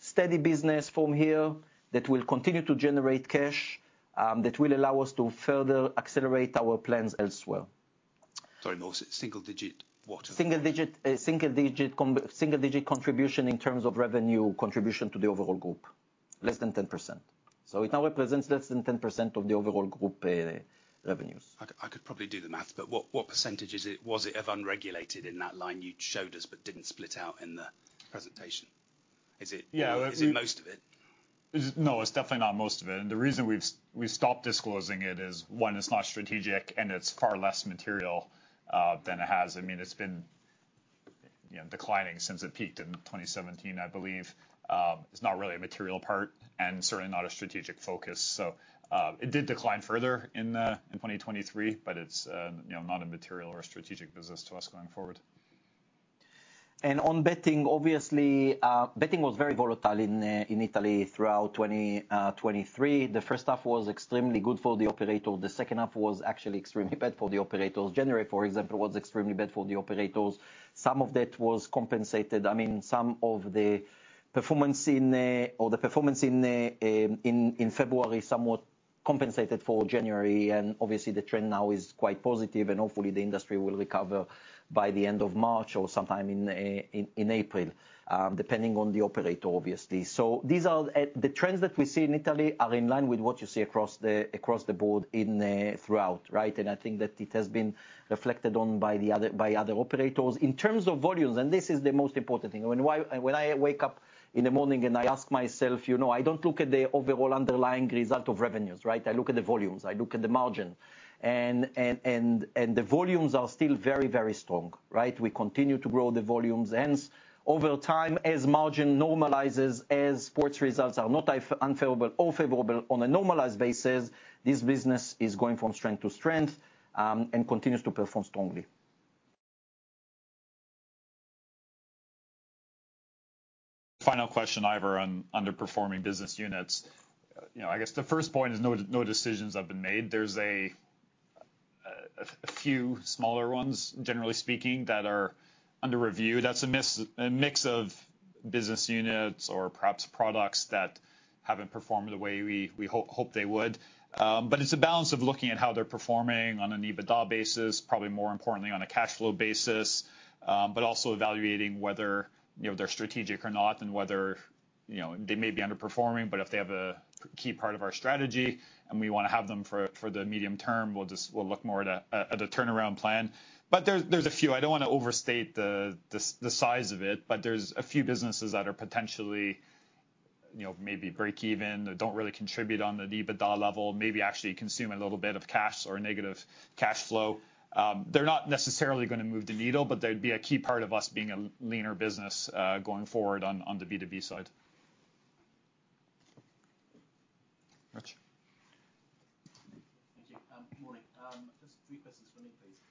Steady business from here that will continue to generate cash, that will allow us to further accelerate our plans elsewhere. Sorry, no, single digit what? Single digit, single digit contribution in terms of revenue contribution to the overall group, less than 10%. So it now represents less than 10% of the overall group revenues. I could, I could probably do the math, but what, what percentage is it, was it of unregulated in that line you showed us but didn't split out in the presentation? Is it- Yeah. Is it most of it? No, it's definitely not most of it, and the reason we've stopped disclosing it is, one, it's not strategic, and it's far less material than it has. I mean, it's been, you know, declining since it peaked in 2017, I believe. It's not really a material part and certainly not a strategic focus. So, it did decline further in 2023, but it's, you know, not a material or a strategic business to us going forward. And on betting, obviously, betting was very volatile in Italy throughout 2023. The first half was extremely good for the operator. The second half was actually extremely bad for the operators. January, for example, was extremely bad for the operators. Some of that was compensated. I mean, some of the performance in February somewhat compensated for January, and obviously, the trend now is quite positive, and hopefully, the industry will recover by the end of March or sometime in April, depending on the operator, obviously. So these are the trends that we see in Italy are in line with what you see across the board throughout, right? And I think that it has been reflected on by the other operators. In terms of volumes, and this is the most important thing, when I wake up in the morning, and I ask myself, you know, I don't look at the overall underlying result of revenues, right? I look at the volumes, I look at the margin, and the volumes are still very, very strong, right? We continue to grow the volumes. Hence, over time, as margin normalizes, as sports results are not unfavorable or favorable on a normalized basis, this business is going from strength to strength, and continues to perform strongly. Final question, Ivor, on underperforming business units. You know, I guess the first point is no, no decisions have been made. There's a few smaller ones, generally speaking, that are under review. That's a mix of business units or perhaps products that haven't performed the way we hoped they would. But it's a balance of looking at how they're performing on an EBITDA basis, probably more importantly, on a cash flow basis, but also evaluating whether, you know, they're strategic or not, and whether, you know, they may be underperforming, but if they have a key part of our strategy and we wanna have them for the medium term, we'll look more at a turnaround plan. But there's a few. I don't wanna overstate the size of it, but there's a few businesses that are potentially, you know, maybe break even, or don't really contribute on the EBITDA level, maybe actually consume a little bit of cash or negative cash flow. They're not necessarily gonna move the needle, but they'd be a key part of us being a leaner business going forward on the B2B side. Rich. Thank you. Good morning. Just three questions from me, please.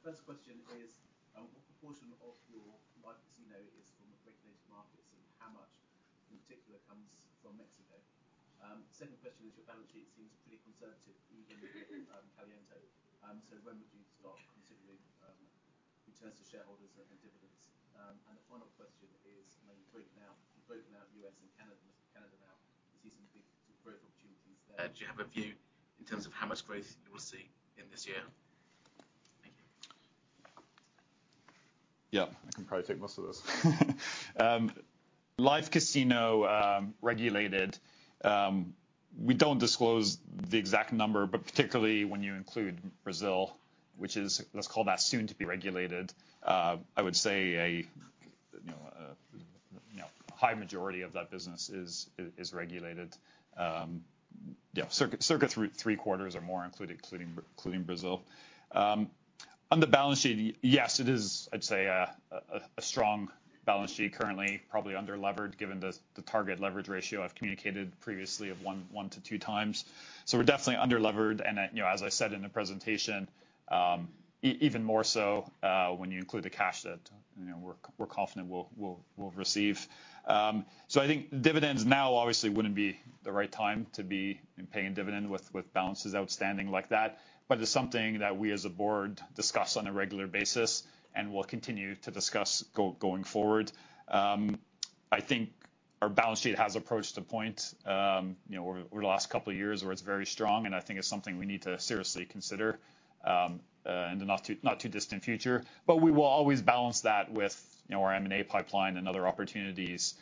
First question is, what proportion of your live casino is from regulated markets, and how much in particular comes from Mexico? Second question is, your balance sheet seems pretty conservative, even with Caliente. When would you start considering returns to shareholders and dividends? The final question is, when you're breaking out, you've broken out U.S. and Canada now, there seems to be some growth opportunities there. Do you have a view in terms of how much growth you will see in this year? Thank you. Yeah, I can probably take most of this. Live casino, regulated, we don't disclose the exact number, but particularly when you include Brazil, which is, let's call that soon to be regulated, I would say you know a high majority of that business is regulated. Yeah, circa three-quarters or more, including Brazil. On the balance sheet, yes, it is, I'd say a strong balance sheet currently, probably under-levered, given the target leverage ratio I've communicated previously of 1-2 times. So we're definitely under-levered, and, you know, as I said in the presentation, even more so, when you include the cash that, you know, we're confident we'll receive. So I think dividends now obviously wouldn't be the right time to be paying dividend with, with balances outstanding like that, but it's something that we, as a board, discuss on a regular basis, and we'll continue to discuss going forward. I think our balance sheet has approached a point, you know, over the last couple of years where it's very strong, and I think it's something we need to seriously consider, in the not too, not too distant future. But we will always balance that with, you know, our M&A pipeline and other opportunities,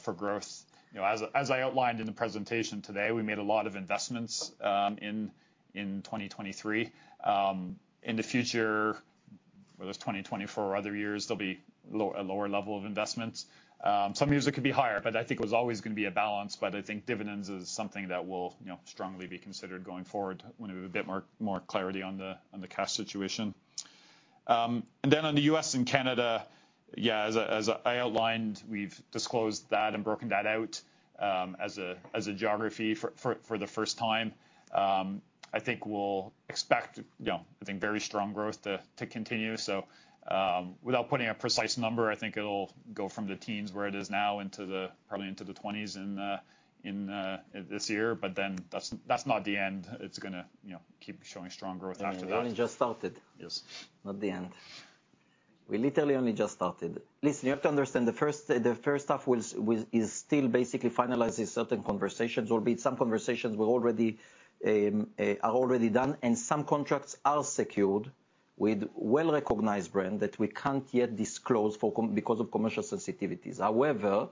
for growth. You know, as I outlined in the presentation today, we made a lot of investments, in 2023. In the future, whether it's 2024 or other years, there'll be a lower level of investments. Some years it could be higher, but I think there's always gonna be a balance, but I think dividends is something that will, you know, strongly be considered going forward when we have a bit more clarity on the cash situation. And then on the US and Canada, yeah, as I outlined, we've disclosed that and broken that out as a geography for the first time. I think we'll expect, you know, I think very strong growth to continue so, without putting a precise number, I think it'll go from the teens where it is now, probably into the twenties in this year, but then that's not the end. It's gonna, you know, keep showing strong growth after that. We only just started. Yes. Not the end. We literally only just started. Listen, you have to understand the first half is still basically finalizing certain conversations, albeit some conversations are already done, and some contracts are secured with well-recognized brand that we can't yet disclose because of commercial sensitivities. However,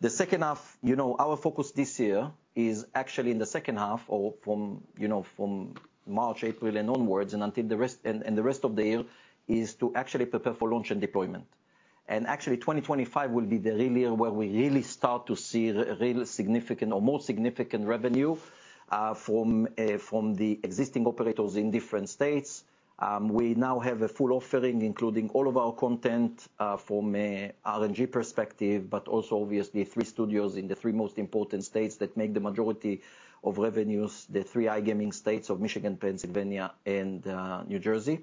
the second half, you know, our focus this year is actually in the second half or from, you know, from March, April and onwards, and until the rest of the year, is to actually prepare for launch and deployment. And actually 2025 will be the real year where we really start to see the real significant or more significant revenue from the existing operators in different states. We now have a full offering, including all of our content, from a RNG perspective, but also obviously, three studios in the three most important states that make the majority of revenues, the three iGaming states of Michigan, Pennsylvania, and New Jersey.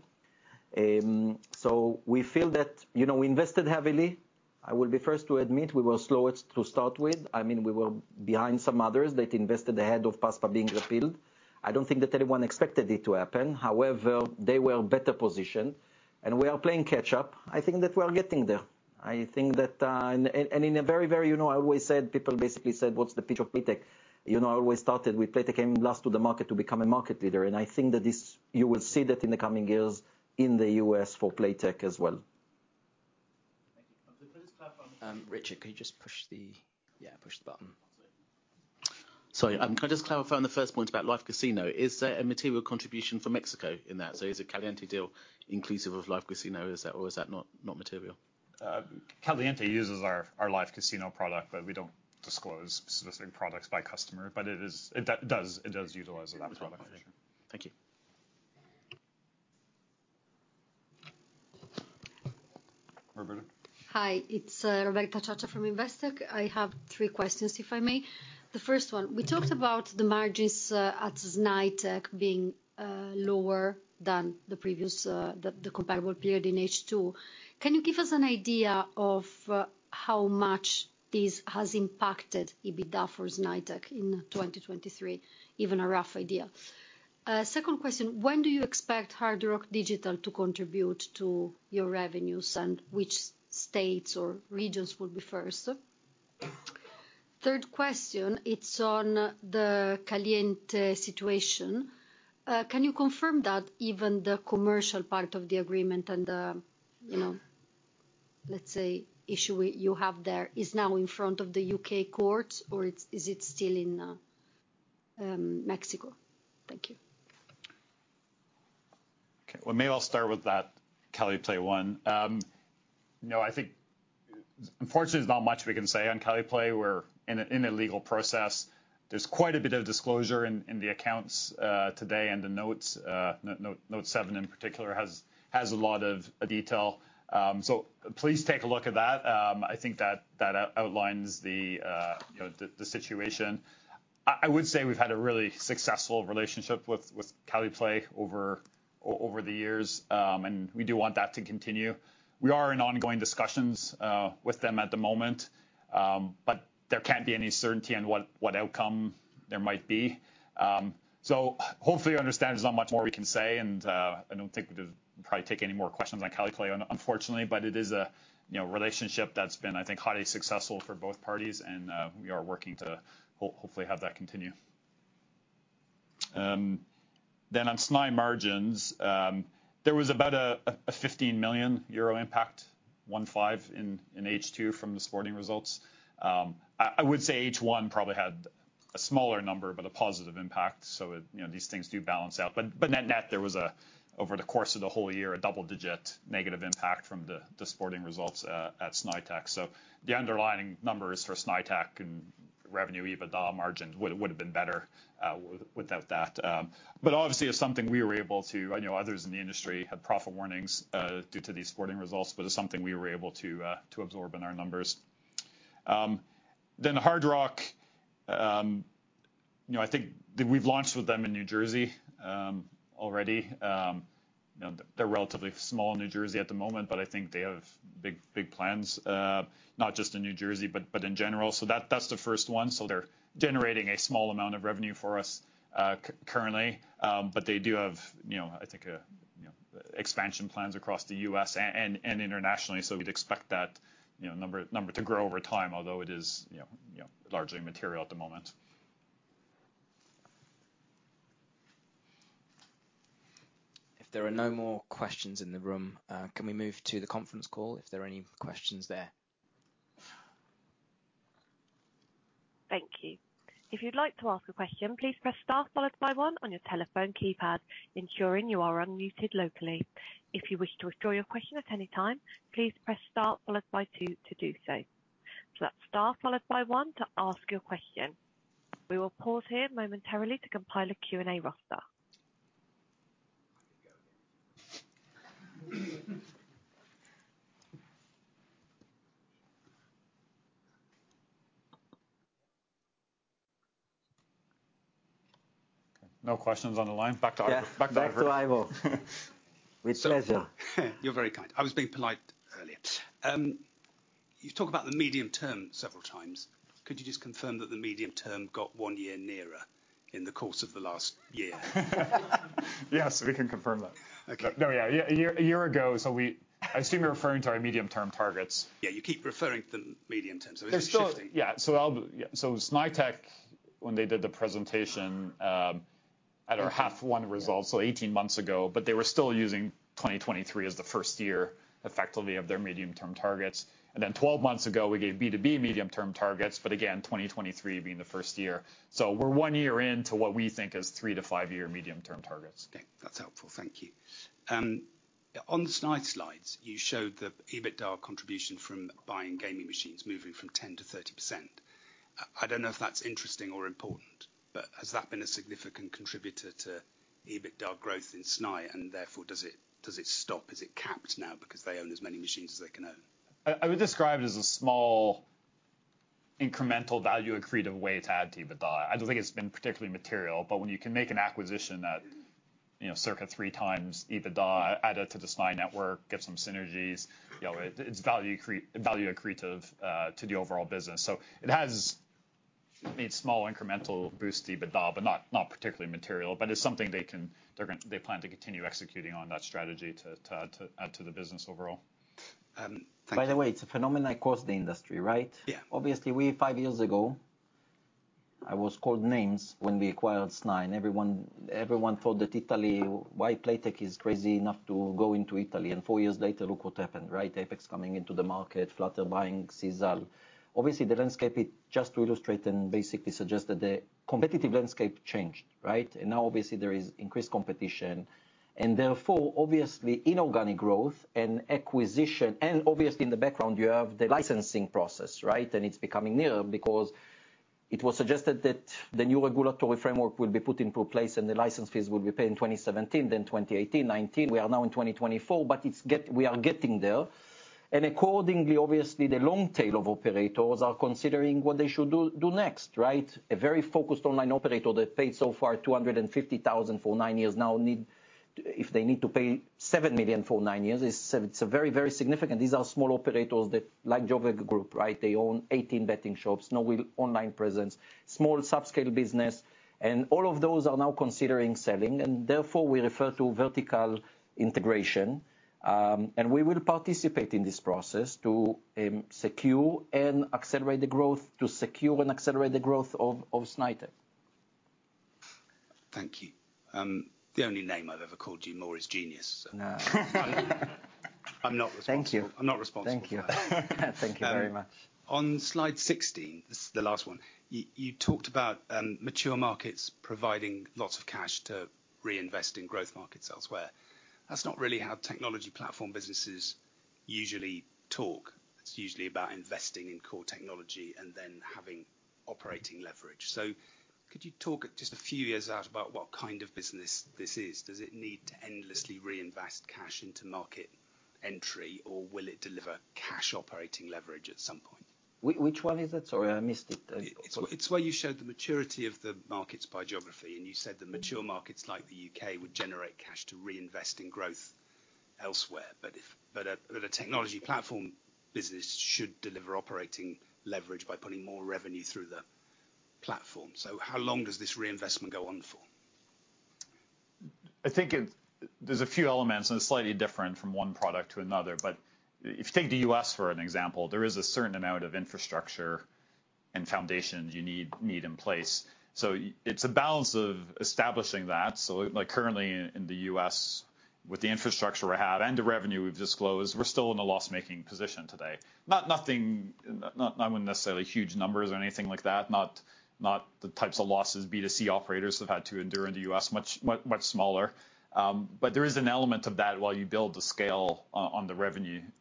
So we feel that, you know, we invested heavily. I will be first to admit we were slow at, to start with. I mean, we were behind some others that invested ahead of PASPA being repealed. I don't think that anyone expected it to happen, however, they were better positioned, and we are playing catch up. I think that we are getting there. I think that and in a very, very, you know, I always said, people basically said, "What's the pitch of Playtech?" You know, I always started with Playtech came last to the market to become a market leader, and I think that this, you will see that in the coming years in the U.S. for Playtech as well. Thank you. Could I just clarify, Richard, could you just push the... Yeah, push the button. Sorry, could I just clarify on the first point about Live Casino? Is there a material contribution from Mexico in that? So is the Caliente deal inclusive of Live Casino, is that or is that not material? Caliente uses our Live Casino product, but we don't disclose specific products by customer, but it does utilize that product. Thank you. Roberta? Hi, it's Roberta Ciaccia from Investec. I have three questions, if I may. The first one: we talked about the margins at Snaitech being lower than the previous the comparable period in H2. Can you give us an idea of how much this has impacted EBITDA for Snaitech in 2023? Even a rough idea. Second question, when do you expect Hard Rock Digital to contribute to your revenues, and which states or regions will be first? Third question, it's on the Caliente situation. Can you confirm that even the commercial part of the agreement and you know, let's say, issue you have there, is now in front of the U.K. courts, or it's, is it still in Mexico? Thank you. Okay, well, maybe I'll start with that Caliplay one. You know, I think unfortunately, there's not much we can say on Caliplay. We're in a legal process. There's quite a bit of disclosure in the accounts today, and the notes, note seven in particular, has a lot of detail. So please take a look at that. I think that outlines the, you know, the situation. I would say we've had a really successful relationship with Caliplay over the years, and we do want that to continue. We are in ongoing discussions with them at the moment, but there can't be any certainty on what outcome there might be. So hopefully you understand there's not much more we can say, and I don't think we'll probably take any more questions on Caliplay, unfortunately, but it is a, you know, relationship that's been, I think, highly successful for both parties, and we are working to hopefully have that continue. Then on Snaitech margins, there was about a 15 million euro impact, 15, in H2 from the sporting results. I would say H1 probably had a smaller number, but a positive impact, so it, you know, these things do balance out. But net net, there was a, over the course of the whole year, a double-digit negative impact from the sporting results at Snaitech. So the underlying numbers for Snaitech and revenue, EBITDA margins, would have been better without that. But obviously it's something we were able to... I know others in the industry had profit warnings due to these sporting results, but it's something we were able to to absorb in our numbers. Then Hard Rock, you know, I think that we've launched with them in New Jersey already. You know, they're relatively small in New Jersey at the moment, but I think they have big, big plans not just in New Jersey, but, but in general. So that, that's the first one. So they're generating a small amount of revenue for us currently, but they do have, you know, I think a-... expansion plans across the U.S. a-and, and internationally, so we'd expect that, you know, number, number to grow over time, although it is, you know, you know, largely material at the moment. If there are no more questions in the room, can we move to the conference call, if there are any questions there? Thank you. If you'd like to ask a question, please press star followed by one on your telephone keypad, ensuring you are unmuted locally. If you wish to withdraw your question at any time, please press star followed by two to do so. So that's star followed by one to ask your question. We will pause here momentarily to compile a Q&A roster. No questions on the line? Back to Ivor. Yeah. Back to Ivor. With pleasure. You're very kind. I was being polite earlier. You talk about the medium term several times. Could you just confirm that the medium term got one year nearer in the course of the last year? Yes, we can confirm that. Okay. No, yeah, a year, a year ago, so we, I assume you're referring to our medium-term targets. Yeah, you keep referring to the medium term, so it is shifting. There's still... Yeah, so I'll, yeah, so Snaitech, when they did the presentation at our H1 results, 18 months ago, but they were still using 2023 as the first year, effectively, of their medium-term targets. And then 12 months ago, we gave B2B medium-term targets, but again, 2023 being the first year. So we're 1 year in to what we think is 3- to 5-year medium-term targets. Okay, that's helpful. Thank you. On the Snai slides, you showed the EBITDA contribution from buying gaming machines, moving from 10% to 30%. I don't know if that's interesting or important, but has that been a significant contributor to EBITDA growth in Snai, and therefore, does it stop? Is it capped now because they own as many machines as they can own? I would describe it as a small incremental value accretive way to add to EBITDA. I don't think it's been particularly material, but when you can make an acquisition that, you know, circa 3x EBITDA, add it to the Snai network, get some synergies, you know, it, it's value accretive to the overall business. So it has made small incremental boosts to EBITDA, but not particularly material, but it's something they can, they're gonna, they plan to continue executing on that strategy to add to the business overall. Thank you. By the way, it's a phenomenon across the industry, right? Yeah. Obviously, 5 years ago, I was called names when we acquired Snai, and everyone, everyone thought that Italy... Why Playtech is crazy enough to go into Italy? Four years later, look what happened, right? Apex coming into the market, Flutter buying Sisal. Obviously, the landscape, it just to illustrate and basically suggest that the competitive landscape changed, right? And now, obviously, there is increased competition, and therefore, obviously, inorganic growth and acquisition, and obviously, in the background, you have the licensing process, right? And it's becoming nearer because it was suggested that the new regulatory framework will be put into place, and the license fees will be paid in 2017, then 2018, 2019. We are now in 2024, but it's get- we are getting there. And accordingly, obviously, the long tail of operators are considering what they should do, do next, right? A very focused online operator that paid so far 250,000 for nine years now needs to—if they need to pay 7 million for nine years, it's—it's a very, very significant. These are small operators that, like Giove Group, right? They own 18 betting shops, no online presence, small subscale business, and all of those are now considering selling, and therefore we refer to vertical integration. And we will participate in this process to secure and accelerate the growth, to secure and accelerate the growth of Snaitech. Thank you. The only name I've ever called you more is genius, so No. I'm not responsible. Thank you. I'm not responsible. Thank you. Thank you very much. On slide 16, this is the last one. You talked about mature markets providing lots of cash to reinvest in growth markets elsewhere. That's not really how technology platform businesses usually talk. It's usually about investing in core technology and then having operating leverage. So could you talk just a few years out about what kind of business this is? Does it need to endlessly reinvest cash into market entry, or will it deliver cash operating leverage at some point? Which, which one is it? Sorry, I missed it. It's where you showed the maturity of the markets by geography, and you said the mature markets, like the U.K., would generate cash to reinvest in growth elsewhere. But a technology platform business should deliver operating leverage by putting more revenue through the platform. So how long does this reinvestment go on for? I think there's a few elements, and it's slightly different from one product to another. But if you take the US, for an example, there is a certain amount of infrastructure and foundations you need in place. So it's a balance of establishing that. So, like, currently, in the US, with the infrastructure we have and the revenue we've disclosed, we're still in a loss-making position today. Not nothing... Not in necessarily huge numbers or anything like that, not the types of losses B2C operators have had to endure in the US, much, much, much smaller. But there is an element of that while you build the scale on the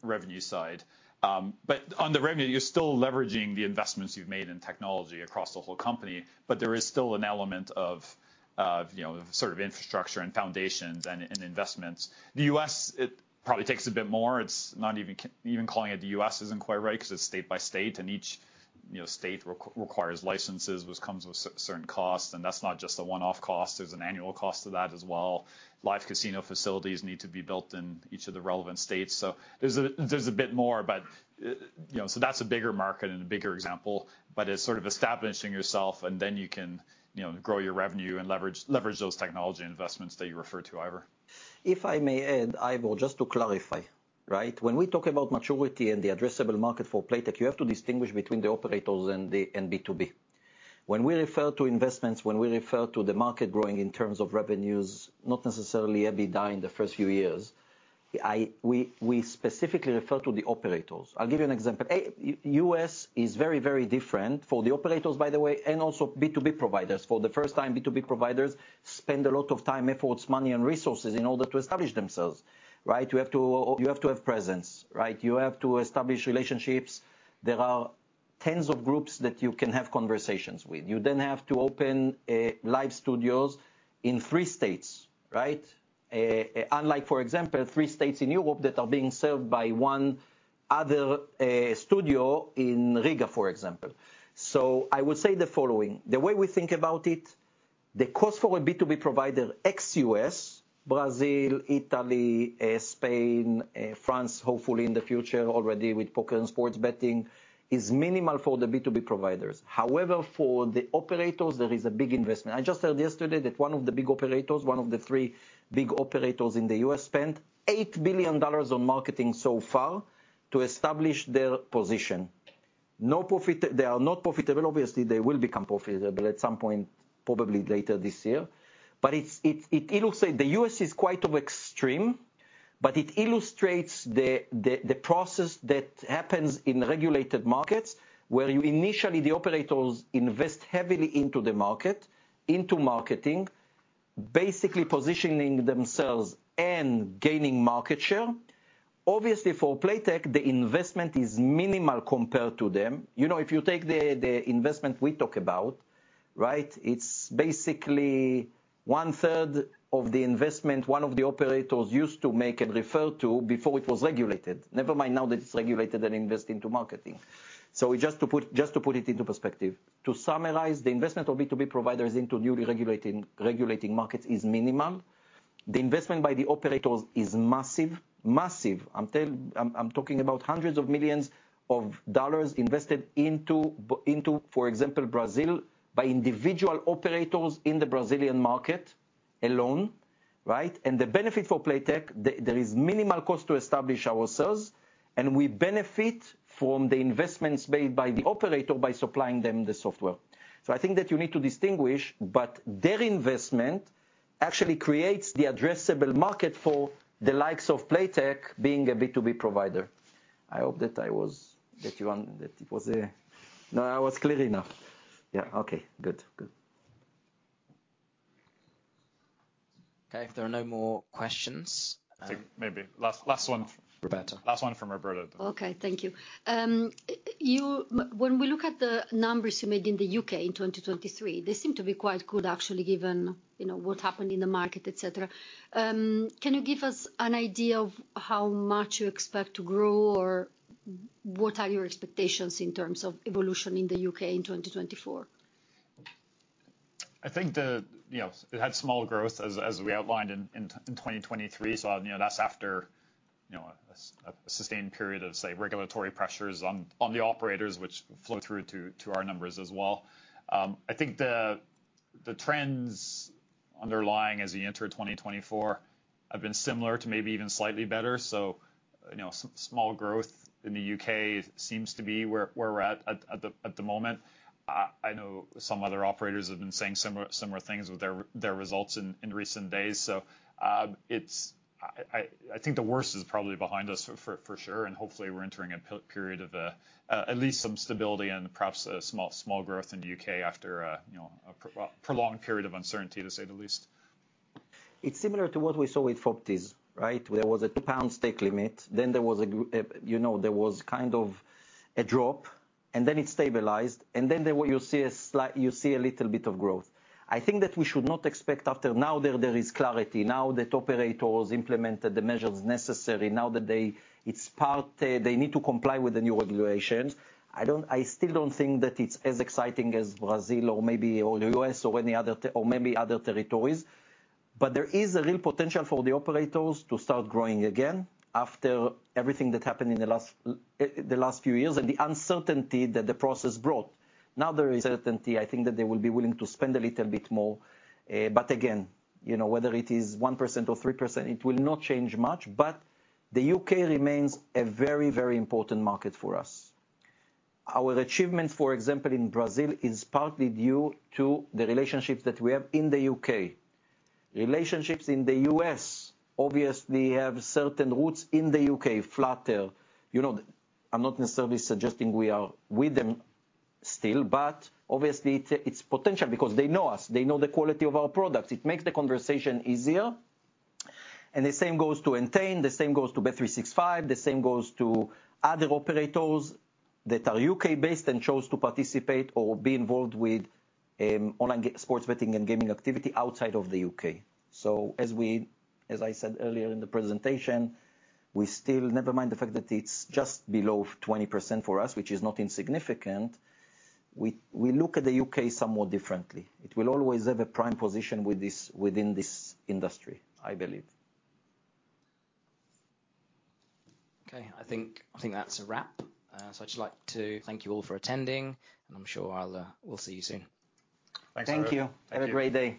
revenue side. But on the revenue, you're still leveraging the investments you've made in technology across the whole company, but there is still an element of, of, you know, sort of infrastructure and foundations and investments. The U.S., it probably takes a bit more. It's not even calling it the U.S. isn't quite right, because it's state by state, and each, you know, state requires licenses, which comes with certain costs, and that's not just a one-off cost. There's an annual cost to that as well. Live casino facilities need to be built in each of the relevant states. So there's a bit more, but, you know, so that's a bigger market and a bigger example. But it's sort of establishing yourself, and then you can, you know, grow your revenue and leverage those technology investments that you referred to, Ivor.... If I may add, I will, just to clarify, right? When we talk about maturity and the addressable market for Playtech, you have to distinguish between the operators and the and B2B. When we refer to investments, when we refer to the market growing in terms of revenues, not necessarily EBITDA in the first few years, we specifically refer to the operators. I'll give you an example. U.S. is very, very different for the operators, by the way, and also B2B providers. For the first time, B2B providers spend a lot of time, efforts, money, and resources in order to establish themselves, right? You have to, you have to have presence, right? You have to establish relationships. There are tens of groups that you can have conversations with. You then have to open live studios in three states, right? Unlike, for example, three states in Europe that are being served by one other studio in Riga, for example. So I will say the following: the way we think about it, the cost for a B2B provider, ex-US, Brazil, Italy, Spain, France, hopefully in the future already with poker and sports betting, is minimal for the B2B providers. However, for the operators, there is a big investment. I just heard yesterday that one of the big operators, one of the three big operators in the US, spent $8 billion on marketing so far to establish their position. No profit—they are not profitable. Obviously, they will become profitable at some point, probably later this year. But it's illustrates... The U.S. is quite extreme, but it illustrates the process that happens in regulated markets, where initially the operators invest heavily into the market, into marketing, basically positioning themselves and gaining market share. Obviously, for Playtech, the investment is minimal compared to them. You know, if you take the investment we talk about, right? It's basically 1/3 of the investment one of the operators used to make and refer to before it was regulated. Never mind now that it's regulated and invest into marketing. So just to put it into perspective, to summarize, the investment of B2B providers into newly regulating markets is minimum. The investment by the operators is massive, massive. I'm talking about hundreds of millions of dollars invested into, for example, Brazil, by individual operators in the Brazilian market alone, right? The benefit for Playtech, there is minimal cost to establish ourselves, and we benefit from the investments made by the operator by supplying them the software. So I think that you need to distinguish, but their investment actually creates the addressable market for the likes of Playtech being a B2B provider. I hope that I was clear enough. Yeah, okay. Good, good. Okay, if there are no more questions, Maybe last one- Roberta. Last one from Roberta. Okay. Thank you. When we look at the numbers you made in the U.K. in 2023, they seem to be quite good, actually, given, you know, what happened in the market, et cetera. Can you give us an idea of how much you expect to grow, or what are your expectations in terms of evolution in the U.K. in 2024? I think, you know, it had small growth as we outlined in 2023. So, you know, that's after, you know, a sustained period of, say, regulatory pressures on the operators, which flow through to our numbers as well. I think the trends underlying as we enter 2024 have been similar to maybe even slightly better. So, you know, small growth in the U.K. seems to be where we're at at the moment. I know some other operators have been saying similar things with their results in recent days. So, it's... I think the worst is probably behind us for sure, and hopefully, we're entering a period of at least some stability and perhaps a small growth in the U.K. after, you know, a prolonged period of uncertainty, to say the least. It's similar to what we saw with FOBTs, right? Where there was a 2 pound stake limit, then there was a you know, there was kind of a drop, and then it stabilized, and then there, you see a little bit of growth. I think that we should not expect after now, there is clarity, now that operators implemented the measures necessary, now that they, it's part, they need to comply with the new regulations. I still don't think that it's as exciting as Brazil or maybe, or the US, or any other or maybe other territories, but there is a real potential for the operators to start growing again after everything that happened in the last, the last few years, and the uncertainty that the process brought. Now, there is certainty, I think that they will be willing to spend a little bit more, but again, you know, whether it is 1% or 3%, it will not change much. But the U.K. remains a very, very important market for us. Our achievement, for example, in Brazil, is partly due to the relationships that we have in the U.K.. Relationships in the US, obviously, have certain roots in the U.K., Flutter. You know, I'm not necessarily suggesting we are with them still, but obviously, it's potential because they know us, they know the quality of our products. It makes the conversation easier, and the same goes to Entain, the same goes to bet365, the same goes to other operators that are U.K.-based and chose to participate or be involved with online sports betting and gaming activity outside of the U.K.. So as we, as I said earlier in the presentation, we still, never mind the fact that it's just below 20% for us, which is not insignificant, we, we look at the U.K. somewhat differently. It will always have a prime position with this, within this industry, I believe. Okay, I think, I think that's a wrap. So I'd just like to thank you all for attending, and I'm sure I'll, we'll see you soon. Thanks, everyone. Thank you. Have a great day.